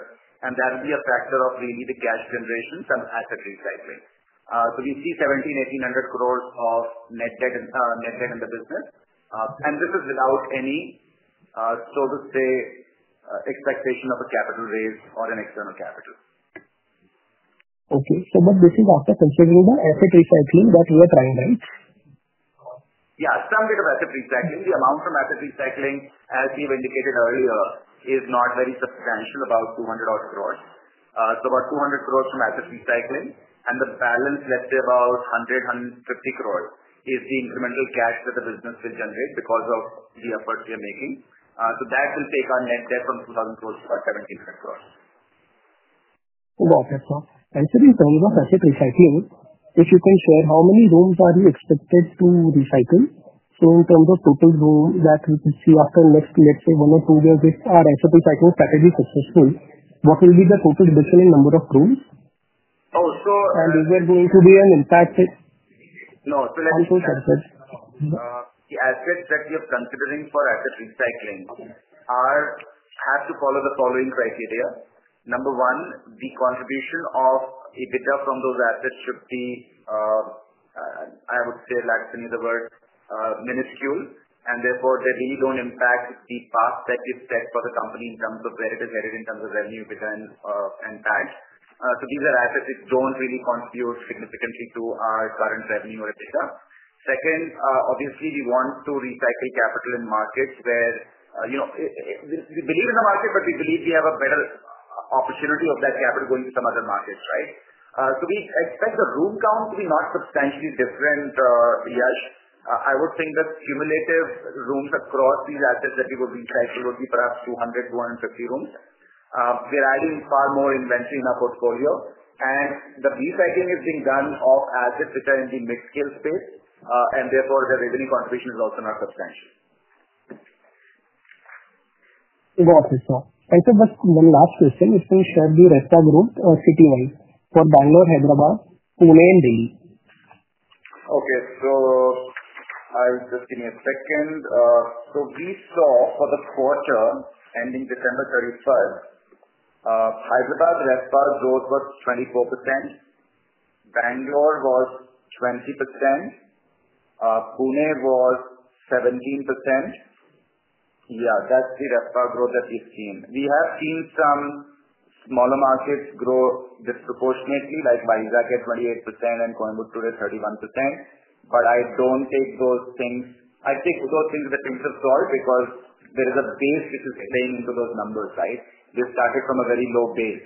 and that will be a factor of really the cash generation from asset recycling. So we see 1,700, 1,800 crores of net debt in the business, and this is without any, so to say, expectation of a capital raise or an external capital. Okay. So what this is, after considering the asset recycling that we are trying, right? Yeah. Some bit of asset recycling. The amount from asset recycling, as we have indicated earlier, is not very substantial, about 200 crores. So about 200 crores from asset recycling, and the balance, let's say, about 100, 150 crores is the incremental cash that the business will generate because of the efforts we are making. So that will take our net debt from 2,000 crores to about INR 1,700 crores. Got it. Actually, in terms of asset recycling, if you can share, how many rooms are you expected to recycle? So in terms of total rooms that we could see after next, let's say, one or two years, if our asset recycling strategy is successful, what will be the total additional number of rooms? Oh, so. Is there going to be an impact? No. So let me just. Onto assets. The assets that we are considering for asset recycling have to follow the following criteria. Number one, the contribution of EBITDA from those assets should be, I would say, lacking in the word, minuscule, and therefore they really don't impact the path that we've set for the company in terms of where it is headed in terms of revenue, EBITDA, and PAT. So these are assets that don't really contribute significantly to our current revenue or EBITDA. Second, obviously, we want to recycle capital in markets where we believe in the market, but we believe we have a better opportunity of that capital going to some other markets, right? So we expect the room count to be not substantially different, Yash. I would think that cumulative rooms across these assets that we will recycle would be perhaps 200 to 150 rooms. We're adding far more inventory in our portfolio, and the recycling is being done of assets which are in the mid-scale space, and therefore the revenue contribution is also not substantial. Got it, sir. I just have one last question. If we share the RevPAR rooms city-wise for Bangalore, Hyderabad, Pune, and Delhi? Okay. So I'll just give me a second. So we saw for the quarter ending December 31st, Hyderabad RevPAR growth was 24%, Bangalore was 20%, Pune was 17%. Yeah. That's the RevPAR growth that we've seen. We have seen some smaller markets grow disproportionately, like Visakhapatnam at 28% and Coimbatore at 31%, but I don't take those things with a pinch of salt because there is a base which is playing into those numbers, right? We started from a very low base.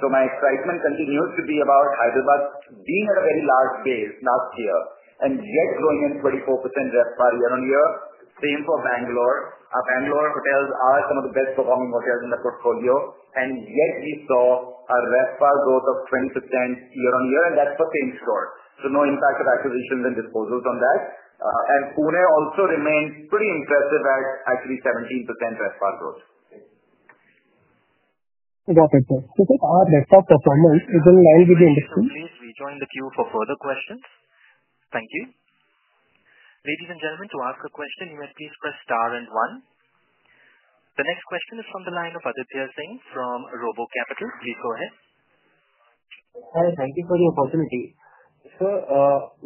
So my excitement continues to be about Hyderabad being at a very large base last year and yet growing at 24% RevPAR year-on-year. Same for Bangalore. Our Bangalore hotels are some of the best-performing hotels in the portfolio, and yet we saw a RevPAR growth of 20% year-on-year, and that's for same-store. No impact of acquisitions and disposals on that. Pune also remained pretty impressive at actually 17% RevPAR growth. Got it, sir, so if our RevPAR performance is in line with the industry. Please rejoin the queue for further questions. Thank you. Ladies and gentlemen, to ask a question, you may please press star and one. The next question is from the line of Aditya Singh from Robo Capital. Please go ahead. Hi. Thank you for the opportunity. Sir,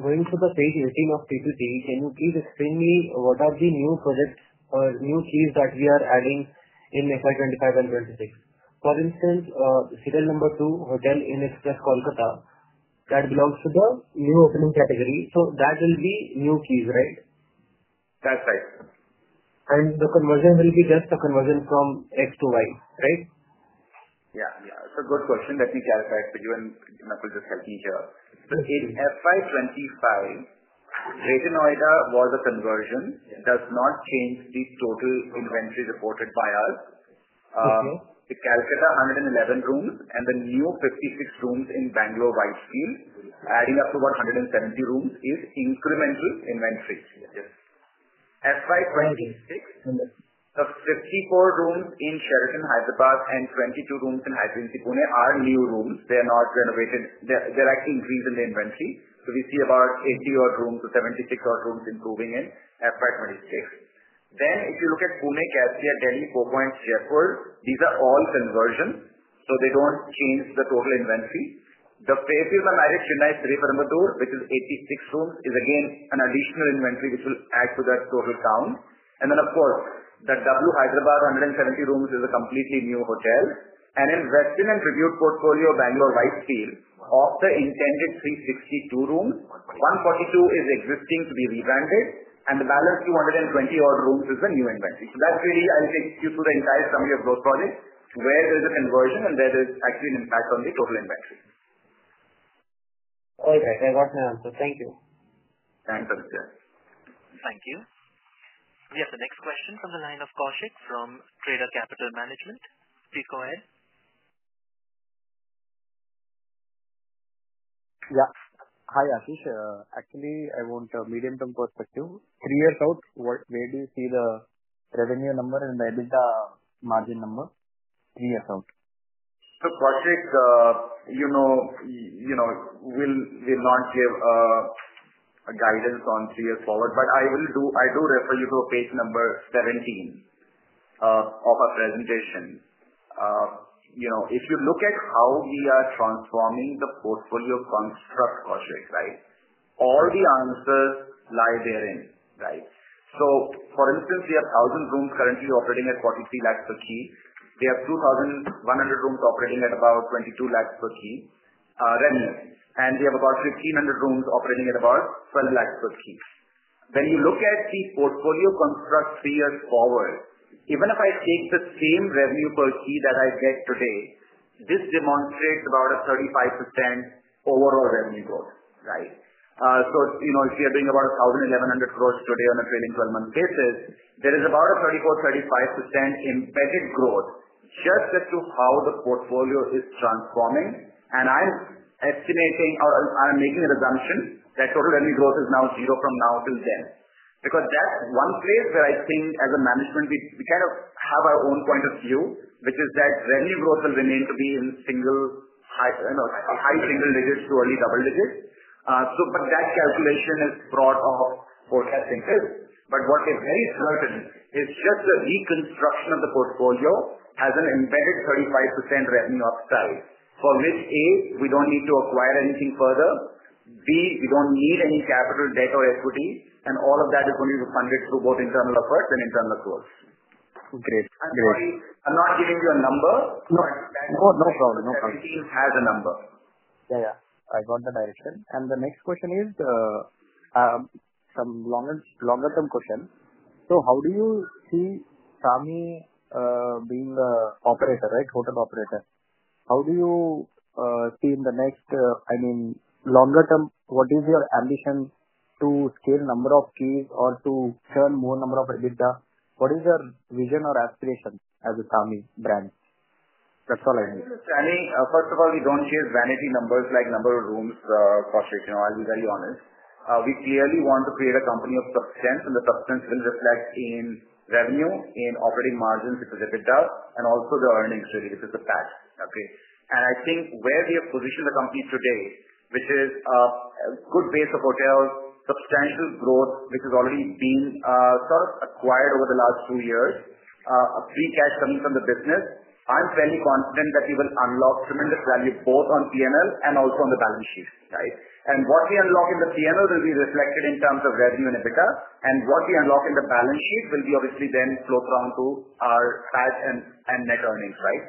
going to the page 18 of PPT, can you please explain to me what are the new projects or new keys that we are adding in FY 2025 and 2026? For instance, serial number two Holiday Inn Express, Kolkata, that belongs to the new opening category. That will be new keys, right? That's right. The conversion will be just a conversion from X to Y, right? Yeah. Yeah. It's a good question. Let me clarify it for you, and you just help me here, so in FY 2025, Greater Noida was a conversion. It does not change the total inventory reported by us. The Kolkata 111 rooms and the new 56 rooms in Bangalore, Whitefield, adding up to about 170 rooms is incremental inventory. FY 2026, the 54 rooms in Sheraton Hyderabad and 22 rooms in Hyatt Pune are new rooms. They are not renovated. They're actually increased in the inventory, so we see about 80 odd rooms or 76 odd rooms improving in FY 2026, then if you look at Pune, Caspia, Delhi, Four Points, Jaipur, these are all conversions, so they don't change the total inventory. The Fairfield by Marriott, Sriperumbudur, which is 86 rooms, is again an additional inventory which will add to that total count. And then, of course, the W Hyderabad, 170 rooms is a completely new hotel, and in The Westin and Tribute Portfolio of Bangalore, Whitefield, of the intended 362 rooms, 142 is existing to be rebranded, and the balance 220-odd rooms is the new inventory, so that's really, I'll take you through the entire summary of those projects where there is a conversion and where there is actually an impact on the total inventory. All right. I got my answer. Thank you. Thanks, Aditya. Thank you. We have the next question from the line of Kaushik from Pradar Capital Management. Please go ahead. Yeah. Hi, Ashish. Actually, I want a medium-term perspective. Three years out, where do you see the revenue number and the EBITDA margin number three years out? Kaushik, we'll not give a guidance on three years forward, but I do refer you to page number 17 of our presentation. If you look at how we are transforming the portfolio construct, Kaushik, right, all the answers lie therein, right? For instance, we have 1,000 rooms currently operating at 43 lakhs per key. We have 2,100 rooms operating at about 22 lakhs per key revenue, and we have about 1,500 rooms operating at about 12 lakhs per key. When you look at the portfolio construct three years forward, even if I take the same revenue per key that I get today, this demonstrates about a 35% overall revenue growth, right? If we are doing about 1,100 crores today on a trailing 12-month basis, there is about a 34%-35% embedded growth just as to how the portfolio is transforming. I'm estimating or I'm making an assumption that total revenue growth is now zero from now till then. Because that's one place where I think as a management, we kind of have our own point of view, which is that revenue growth will remain to be in high single digits to early double digits. But that calculation is based off forecasting this. But what is very certain is just the reconstruction of the portfolio has an embedded 35% revenue upside, for which, A, we don't need to acquire anything further. B, we don't need any capital debt or equity, and all of that is going to be funded through both internal efforts and internal growth. Great. Great. I'm sorry, I'm not giving you a number. No. No problem. No problem. The team has a number. Yeah. Yeah. I got the direction. And the next question is some longer-term question. So how do you see SAMHI being the operator, right, hotel operator? How do you see in the next, I mean, longer term, what is your ambition to scale number of keys or to churn more number of EBITDA? What is your vision or aspiration as a SAMHI brand? That's all I need. SAMHI, first of all, we don't chase vanity numbers like number of rooms, Kaushik. I'll be very honest. We clearly want to create a company of substance, and the substance will reflect in revenue, in operating margins because EBITDA, and also the earnings really, which is the PAT, okay, and I think where we have positioned the company today, which is a good base of hotels, substantial growth, which has already been sort of acquired over the last two years, free cash coming from the business, I'm fairly confident that we will unlock tremendous value both on P&L and also on the balance sheet, right, and what we unlock in the P&L will be reflected in terms of revenue and EBITDA, and what we unlock in the balance sheet will be obviously then float around to our PAT and net earnings, right?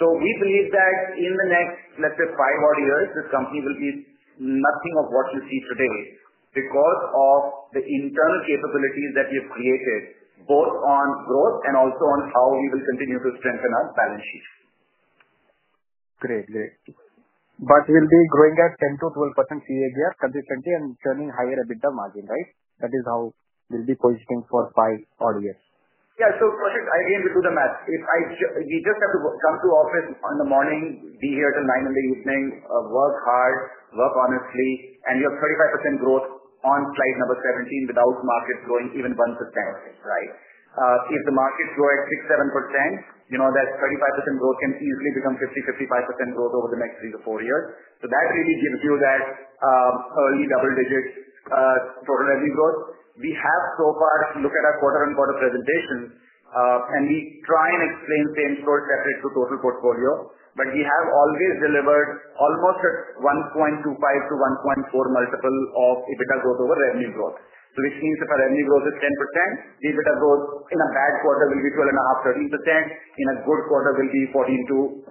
So we believe that in the next, let's say, five odd years, this company will be nothing of what you see today because of the internal capabilities that we have created both on growth and also on how we will continue to strengthen our balance sheet. Great. Great. But we'll be growing at 10%-12% CAGR consistently and churning higher EBITDA margin, right? That is how we'll be positioning for five odd years. Yeah. So Kaushik, again, we'll do the math. We just have to come to office in the morning, be here till 9:00 P.M., work hard, work honestly, and you have 35% growth on slide number 17 without market growing even 1%, right? If the market grow at 6%-7%, that 35% growth can easily become 50%-55% growth over the next three to four years. So that really gives you that early double-digit total revenue growth. We have so far, look at our quarter-on-quarter presentations, and we try and explain same story separate to total portfolio, but we have always delivered almost a 1.25 to 1.4 multiple of EBITDA growth over revenue growth. So which means if our revenue growth is 10%, the EBITDA growth in a bad quarter will be 12.5, 13%. In a good quarter, it will be 14%-14.5%.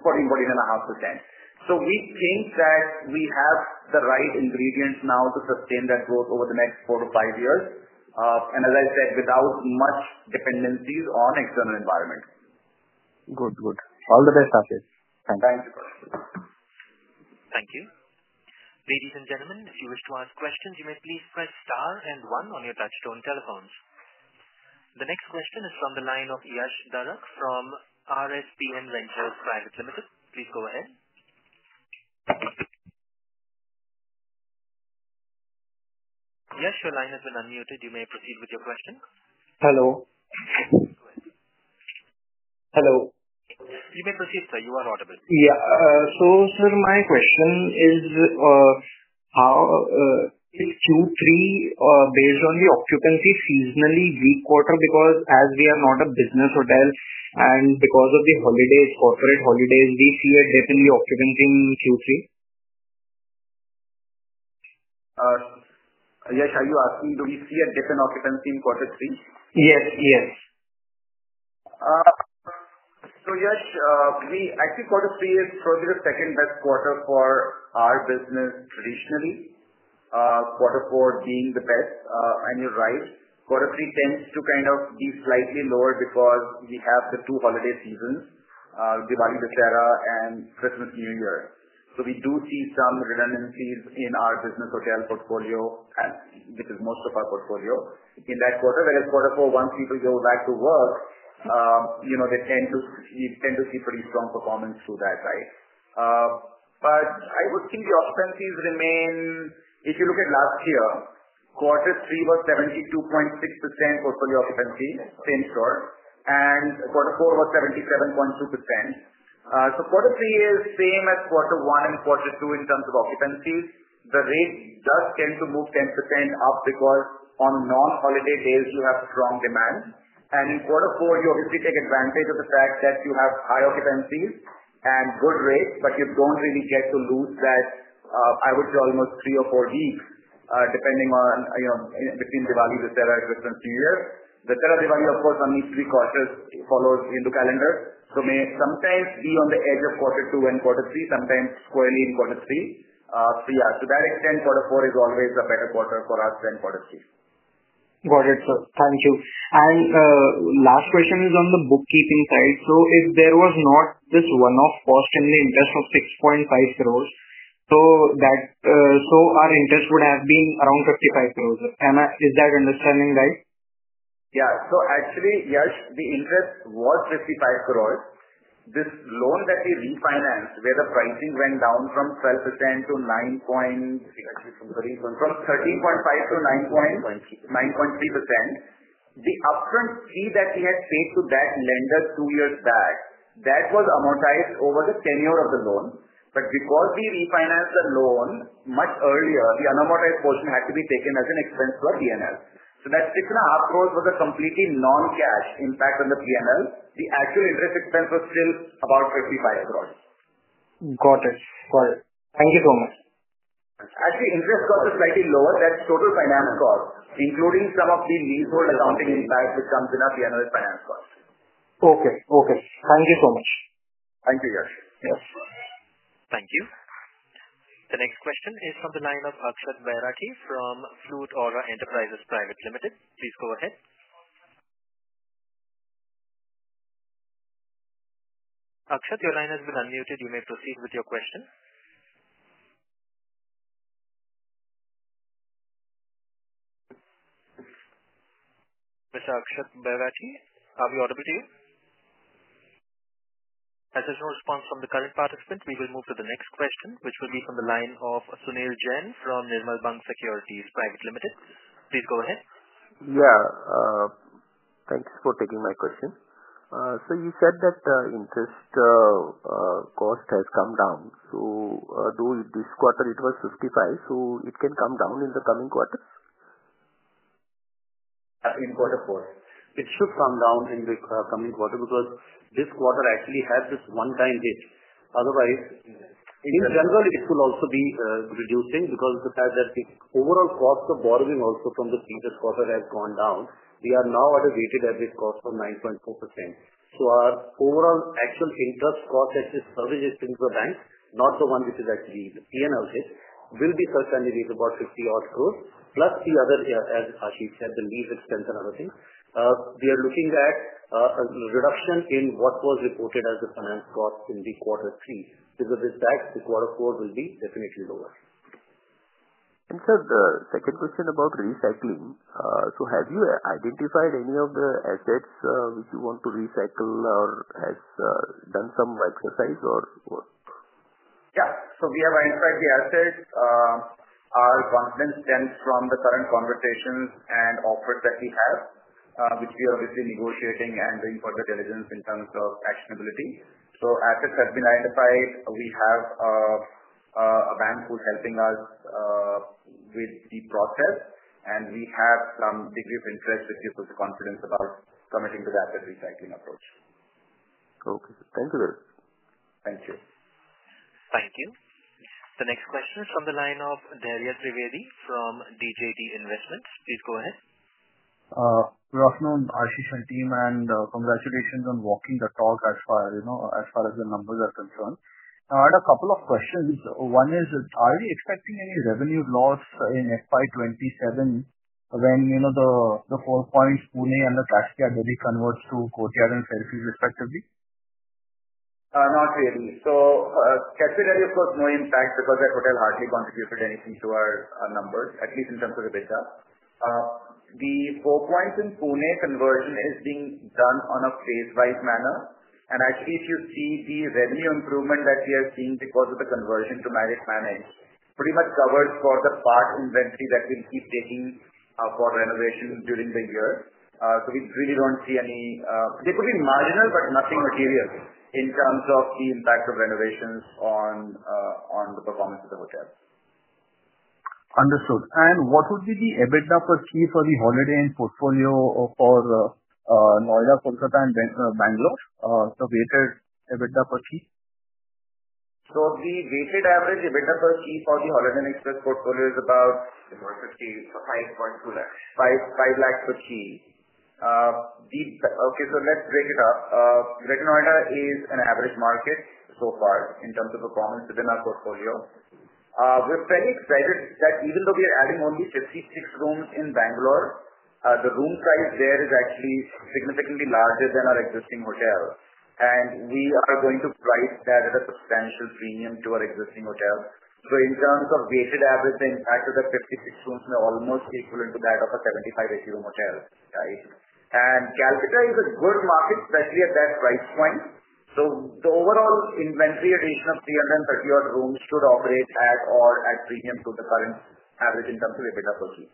So we think that we have the right ingredients now to sustain that growth over the next four to five years, and as I said, without much dependencies on external environment. Good. Good. All the best, Ashish. Thanks. Thank you, Kaushik. Thank you. Ladies and gentlemen, if you wish to ask questions, you may please press star and one on your touch-tone telephones. The next question is from the line of Yash Darak from RSPN Ventures Private Limited. Please go ahead. Yash, your line has been unmuted. You may proceed with your question. Hello. Go ahead. Hello. You may proceed, sir. You are audible. Yeah. So sir, my question is, is Q3 based on the occupancy seasonally weak quarter because as we are not a business hotel and because of the holidays, corporate holidays, we see a dip in the occupancy in Q3? Yash, are you asking do we see a dip in occupancy in quarter three? Yes. Yes. Yash, we actually quarter three is probably the second best quarter for our business traditionally, quarter four being the best, and you're right. Quarter three tends to kind of be slightly lower because we have the two holiday seasons, Diwali Dussehra and Christmas New Year. So we do see some redundancies in our business hotel portfolio, which is most of our portfolio in that quarter. Whereas quarter four, once people go back to work, we tend to see pretty strong performance through that, right? But I would think the occupancies remain. If you look at last year, quarter three was 72.6% portfolio occupancy, same store, and quarter four was 77.2%. So quarter three is same as quarter one and quarter two in terms of occupancies. The rate does tend to move 10% up because on non-holiday days, you have strong demand. And in quarter four, you obviously take advantage of the fact that you have high occupancies and good rates, but you don't really get to lose that, I would say, almost three or four weeks depending on between Diwali, Dussehra, and Christmas-New Year. The Dussehra-Diwali, of course, one needs to be cautious. It follows Hindu calendar. So may sometimes be on the edge of quarter two and quarter three, sometimes squarely in quarter three. So yeah. To that extent, quarter four is always a better quarter for us than quarter three. Got it, sir. Thank you. Last question is on the bookkeeping side. If there was not this one-off cost in the interest of 6.5 crores, our interest would have been around 55 crores. Is that understanding right? Yeah. So actually, Yash, the interest was 55 crores. This loan that we refinanced where the pricing went down from 12% to 9.3%, from 13.5% to 9.3%, the upfront fee that we had paid to that lender two years back, that was amortized over the tenure of the loan. But because we refinanced the loan much earlier, the unamortized portion had to be taken as an expense to our P&L. So that INR 6.5 crores was a completely non-cash impact on the P&L. The actual interest expense was still about 55 crores. Got it. Got it. Thank you so much. Actually, interest cost is slightly lower. That's total finance cost, including some of the leasehold accounting impact which comes in our P&L finance cost. Okay. Okay. Thank you so much. Thank you, Yash. Yes. Thank you. The next question is from the line of Akshat Bairagi from Flute Aura Enterprises Private Limited. Please go ahead. Akshat, your line has been unmuted. You may proceed with your question. Mr. Akshat Bairagi, are we audible to you? As there's no response from the current participant, we will move to the next question, which will be from the line of Sunil Jain from Nirmal Bang Securities Private Limited. Please go ahead. Yeah. Thanks for taking my question. So you said that interest cost has come down. So this quarter, it was 55, so it can come down in the coming quarters? In quarter four, it should come down in the coming quarter because this quarter actually has this one-time hit. Otherwise, in general, it will also be reducing because the fact that the overall cost of borrowing also from the previous quarter has gone down. We are now at a weighted average cost of 9.4%. So our overall actual interest cost, which is serviced to the bank, not the one which is actually the P&L hit, will be certainly around about 50-odd crores, plus the other, as Ashish said, the lease expense and other things. We are looking at a reduction in what was reported as the finance cost in quarter three. Because of this, quarter four will be definitely lower. Sir, the second question about recycling. Have you identified any of the assets which you want to recycle or have done some exercise or? Yeah. So we have identified the assets. Our confidence stems from the current conversations and offers that we have, which we are obviously negotiating and doing further diligence in terms of actionability. So assets have been identified. We have a bank who's helping us with the process, and we have some degree of interest, which gives us confidence about committing to the asset recycling approach. Okay. Thank you, sir. Thank you. Thank you. The next question is from the line of Darius Trivedi from DJD Investments. Please go ahead. Good afternoon, Ashish and team, and congratulations on walking the talk as far as the numbers are concerned. I had a couple of questions. One is, are we expecting any revenue loss in FY 2027 when the Four Points, Pune, and the Caspia Delhi convert to Courtyard and Fairfield, respectively? Not really. So Caspia Delhi, of course, no impact because that hotel hardly contributed anything to our numbers, at least in terms of EBITDA. The Four Points in Pune conversion is being done on a phase-wise manner. And actually, if you see the revenue improvement that we are seeing because of the conversion to managed model, pretty much covers for the partial inventory that we'll keep taking for renovation during the year. So we really don't see any—they could be marginal, but nothing material in terms of the impact of renovations on the performance of the hotel. Understood. And what would be the EBITDA per key for the Holiday Inn portfolio for Noida, Kolkata, and Bangalore? The weighted EBITDA per key? The weighted average EBITDA per key for the Holiday Inn Express portfolio is about, what's the key? 5.2 lakhs. 5 lakhs per key. Okay. Let's break it up. Greater Noida is an average market so far in terms of performance within our portfolio. We're fairly excited that even though we are adding only 56 rooms in Bangalore, the room size there is actually significantly larger than our existing hotel. We are going to price that at a substantial premium to our existing hotel. In terms of weighted average, the impact of that 56 rooms may almost be equivalent to that of a 75-80 room hotel, right? Kolkata is a good market, especially at that price point. The overall inventory addition of 330-odd rooms should operate at or premium to the current average in terms of EBITDA per key.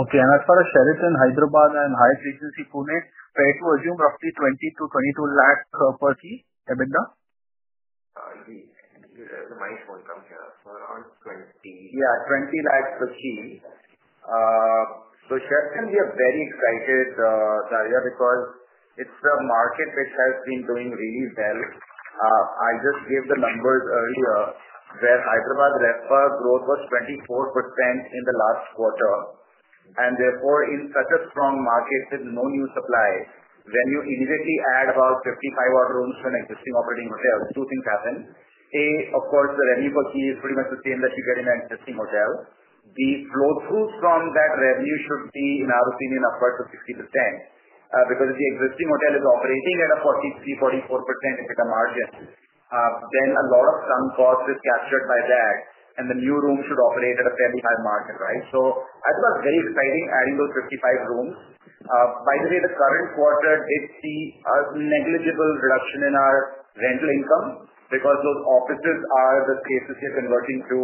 Okay. And as far as Sheraton Hyderabad and Hyatt Regency Pune, fair to assume roughly 20-22 lakh per key EBITDA? The mic won't come here. Around 20. Yeah. 20 lakhs per key. So Sheraton, we are very excited, Darius, because it's a market which has been doing really well. I just gave the numbers earlier where Hyderabad RevPAR growth was 24% in the last quarter. And therefore, in such a strong market with no new supply, when you immediately add about 55-odd rooms to an existing operating hotel, two things happen. A, of course, the revenue per key is pretty much the same that you get in an existing hotel. The flow-through from that revenue should be, in our opinion, upwards of 60%. Because if the existing hotel is operating at a 43%-44% EBITDA margin, then a lot of sunk cost is captured by that, and the new room should operate at a fairly high margin, right? So I thought it was very exciting adding those 55 rooms. By the way, the current quarter did see a negligible reduction in our rental income because those offices are the spaces we are converting to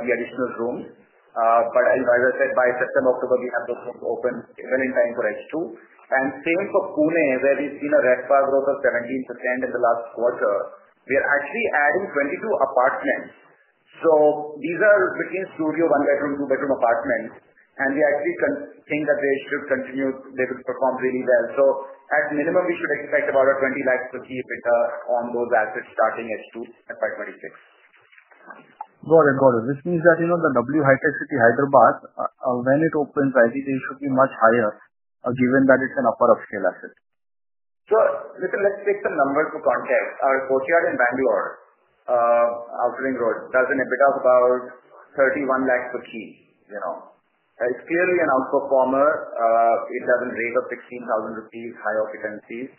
the additional rooms. But as I said, by September, October, we have those rooms open well in time for H2, and same for Pune, where we've seen a RevPAR growth of 17% in the last quarter. We are actually adding 22 apartments. So these are between studio, one-bedroom, two-bedroom apartments. And we actually think that they should continue; they will perform really well. So at minimum, we should expect about 20 lakhs per key EBITDA on those assets starting H2 at FY 2026. Got it. Got it. This means that the W, Hitec City, Hyderabad, when it opens, I think it should be much higher given that it's an upper-upscale asset. So listen, let's take some numbers for context. Our Courtyard in Bangalore, Outer Ring Road, does an EBITDA of about 31 lakhs per key. It's clearly an outperformer. It does a rate of 16,000 rupees, high occupancies.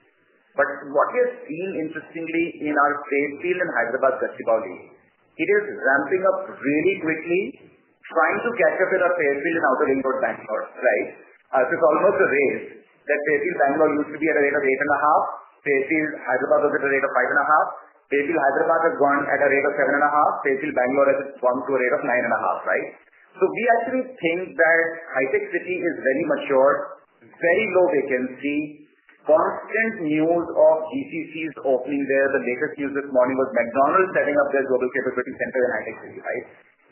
But what we have seen, interestingly, in our Fairfield in Hyderabad, Gachibowli, it is ramping up really quickly, trying to catch up with our Fairfield in Outer Ring Road, Bangalore, right? So it's almost a race. That Fairfield Bangalore used to be at a rate of 8.5. Fairfield Hyderabad was at a rate of 5.5. Fairfield Hyderabad has gone at a rate of 7.5. Fairfield Bangalore has gone to a rate of 9.5, right? So we actually think that Hitec City is very mature, very low vacancy, constant news of GCCs opening there. The latest news this morning was McDonald's setting up their global capability center in Hitec City, right?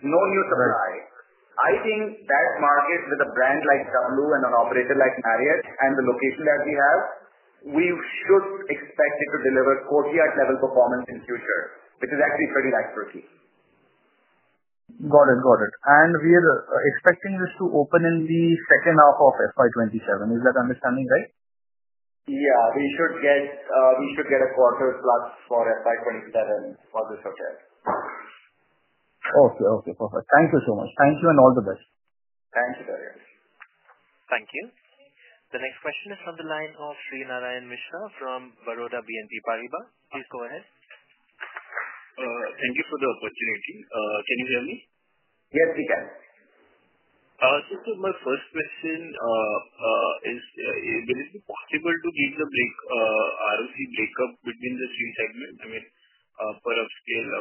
No new supply. I think that market with a brand like W and an operator like Marriott and the location that we have, we should expect it to deliver Courtyard level performance in the future, which is actually 30 lakhs per key. Got it. Got it. And we are expecting this to open in the second half of FY 2027. Is that understanding right? Yeah. We should get a quarter plus for FY 2027 for this hotel. Okay. Okay. Perfect. Thank you so much. Thank you and all the best. Thank you, Darius. Thank you. The next question is from the line of Shrinarayan Mishra from Baroda BNP Paribas. Please go ahead. Thank you for the opportunity. Can you hear me? Yes, we can. So my first question is, will it be possible to give the ROC breakup between the three segments? I mean, per upscale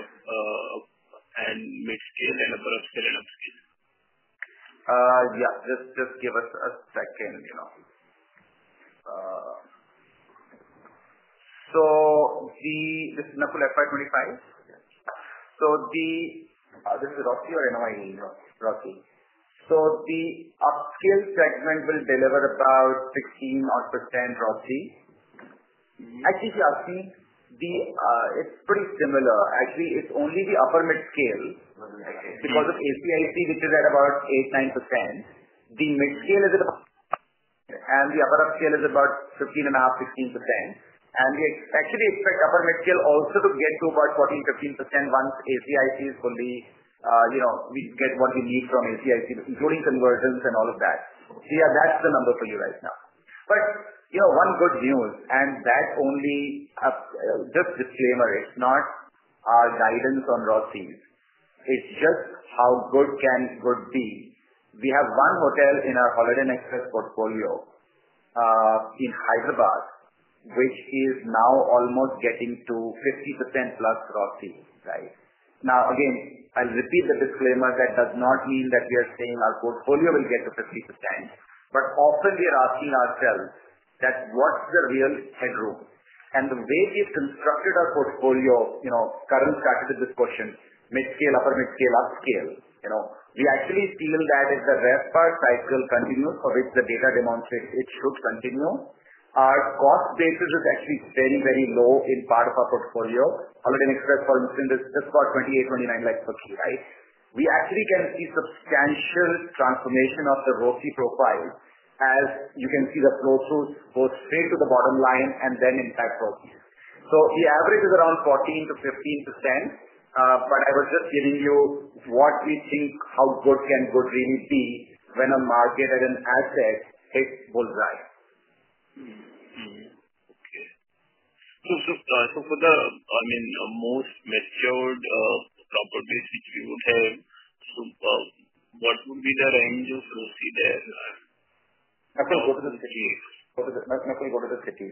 and midscale and upper upscale and upscale? Yeah. Just give us a second. So this is Nakul FY 2025. So this is ROCE or NOI? ROCE? So the upscale segment will deliver about 16-odd% ROCE. Actually, if you ask me, it's pretty similar. Actually, it's only the upper midscale. Because of ACIC, which is at about 8%-9%, the midscale is at about, and the upper upscale is about 15.5%-16%. And we actually expect upper midscale also to get to about 14%-15% once ACIC is fully, we get what we need from ACIC, including convergence and all of that. So yeah, that's the number for you right now. But one good news, and that's only just disclaimer. It's not our guidance on ROCEs. It's just how good can good be. We have one hotel in our Holiday Inn Express portfolio in Hyderabad, which is now almost getting to 50%+ ROCE, right? Now, again, I'll repeat the disclaimer. That does not mean that we are saying our portfolio will get to 50%. But often we are asking ourselves that what's the real headroom? And the way we've constructed our portfolio, Karan started with this question, midscale, upper midscale, upscale, we actually feel that if the RevPAR cycle continues, for which the data demonstrates it should continue, our cost basis is actually very, very low in part of our portfolio. Holiday Inn Express, for instance, is just about 28, 29 lakhs per key, right? We actually can see substantial transformation of the ROCE profile as you can see the flow-through goes straight to the bottom line and then impact ROCEs. So the average is around 14% to 15%. But I was just giving you what we think how good can good really be when a market at an asset hits bull's eye. Okay. So for the, I mean, most matured properties which we would have, what would be the range of ROCE there? Nakul, go to the cities. I think I'll rather take this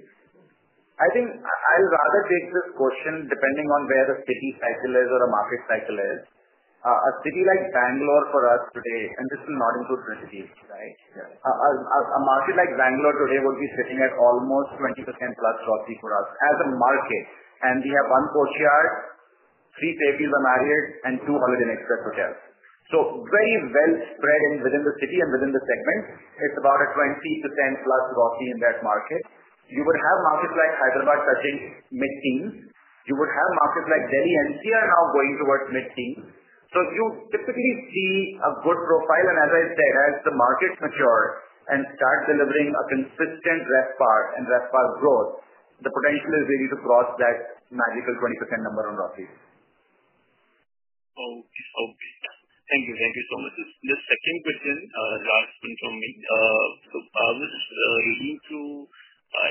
question depending on where the city cycle is or a market cycle is. A city like Bangalore for us today, and this will not include the cities, right? A market like Bangalore today would be sitting at almost 20%+ ROCE for us as a market. And we have one Courtyard, three Fairfields and Marriott, and two Holiday Inn Express hotels. So very well spread within the city and within the segment, it's about a 20%+ ROCE in that market. You would have markets like Hyderabad touching mid-teens. You would have markets like Delhi and NCR now going towards mid-teens. So you typically see a good profile. As I said, as the markets mature and start delivering a consistent RevPAR and RevPAR growth, the potential is really to cross that magical 20% number on ROCE. Okay. Thank you so much. This second question that has been from me. So I was just leading to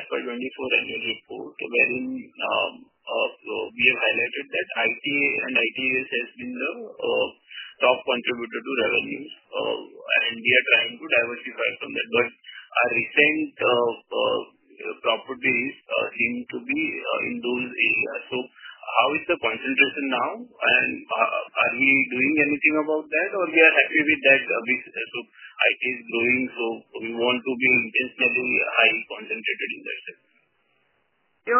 FY 2024 annual report wherein we have highlighted that IT/ITeS has been the top contributor to revenues, and we are trying to diversify from that. But our recent properties seem to be in those areas. So how is the concentration now? And are we doing anything about that, or we are happy with that? So IT/ITeS is growing, so we want to be intentionally high concentrated in that segment. So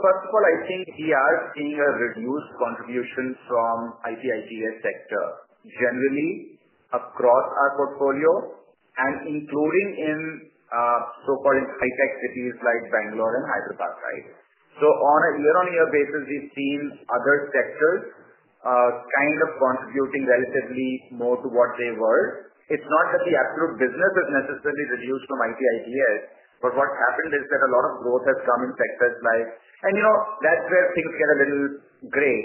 first of all, I think we are seeing a reduced contribution from IT/ITeS sector generally across our portfolio and including in so-called high-tech cities like Bangalore and Hyderabad, right? So on a year-on-year basis, we've seen other sectors kind of contributing relatively more to what they were. It's not that the absolute business has necessarily reduced from IT/ITeS, but what's happened is that a lot of growth has come in sectors like, and that's where things get a little gray.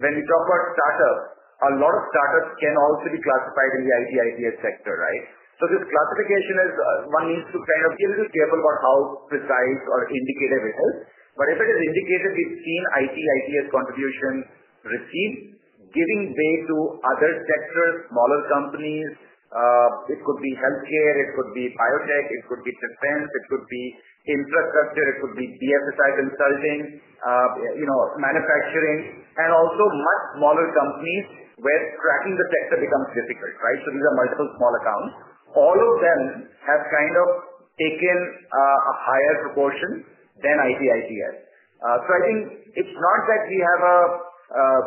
When we talk about startups, a lot of startups can also be classified in the IT/ITeS sector, right? So this classification is one needs to kind of be a little careful about how precise or indicative it is. But if it is indicative, we've seen IT/ITeS contribution recede, giving way to other sectors, smaller companies. It could be healthcare, it could be biotech, it could be defense, it could be infrastructure, it could be BFSI consulting, manufacturing, and also much smaller companies where tracking the sector becomes difficult, right? So these are multiple small accounts. All of them have kind of taken a higher proportion than IT/ITeS. So I think it's not that we have a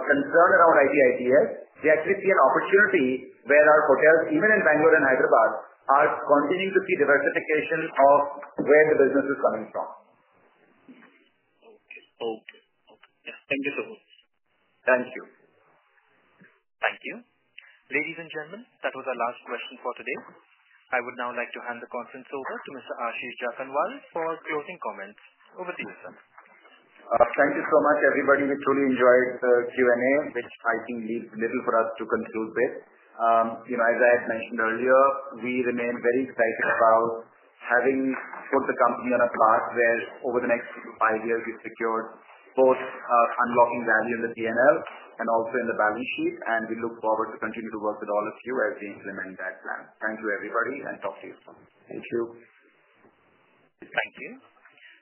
concern around IT/ITeS. We actually see an opportunity where our hotels, even in Bangalore and Hyderabad, are continuing to see diversification of where the business is coming from. Okay. Thank you so much. Thank you. Thank you. Ladies and gentlemen, that was our last question for today. I would now like to hand the conference over to Mr. Ashish Jakhanwala for closing comments. Over to you, sir. Thank you so much, everybody. We truly enjoyed the Q&A, which I think leaves little for us to conclude with. As I had mentioned earlier, we remain very excited about having put the company on a path where over the next five years, we've secured both unlocking value in the P&L and also in the balance sheet. And we look forward to continue to work with all of you as we implement that plan. Thank you, everybody, and talk to you soon. Thank you. Thank you.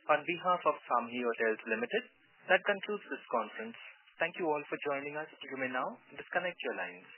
On behalf of SAMHI Hotels Limited, that concludes this conference. Thank you all for joining us. You may now disconnect your lines.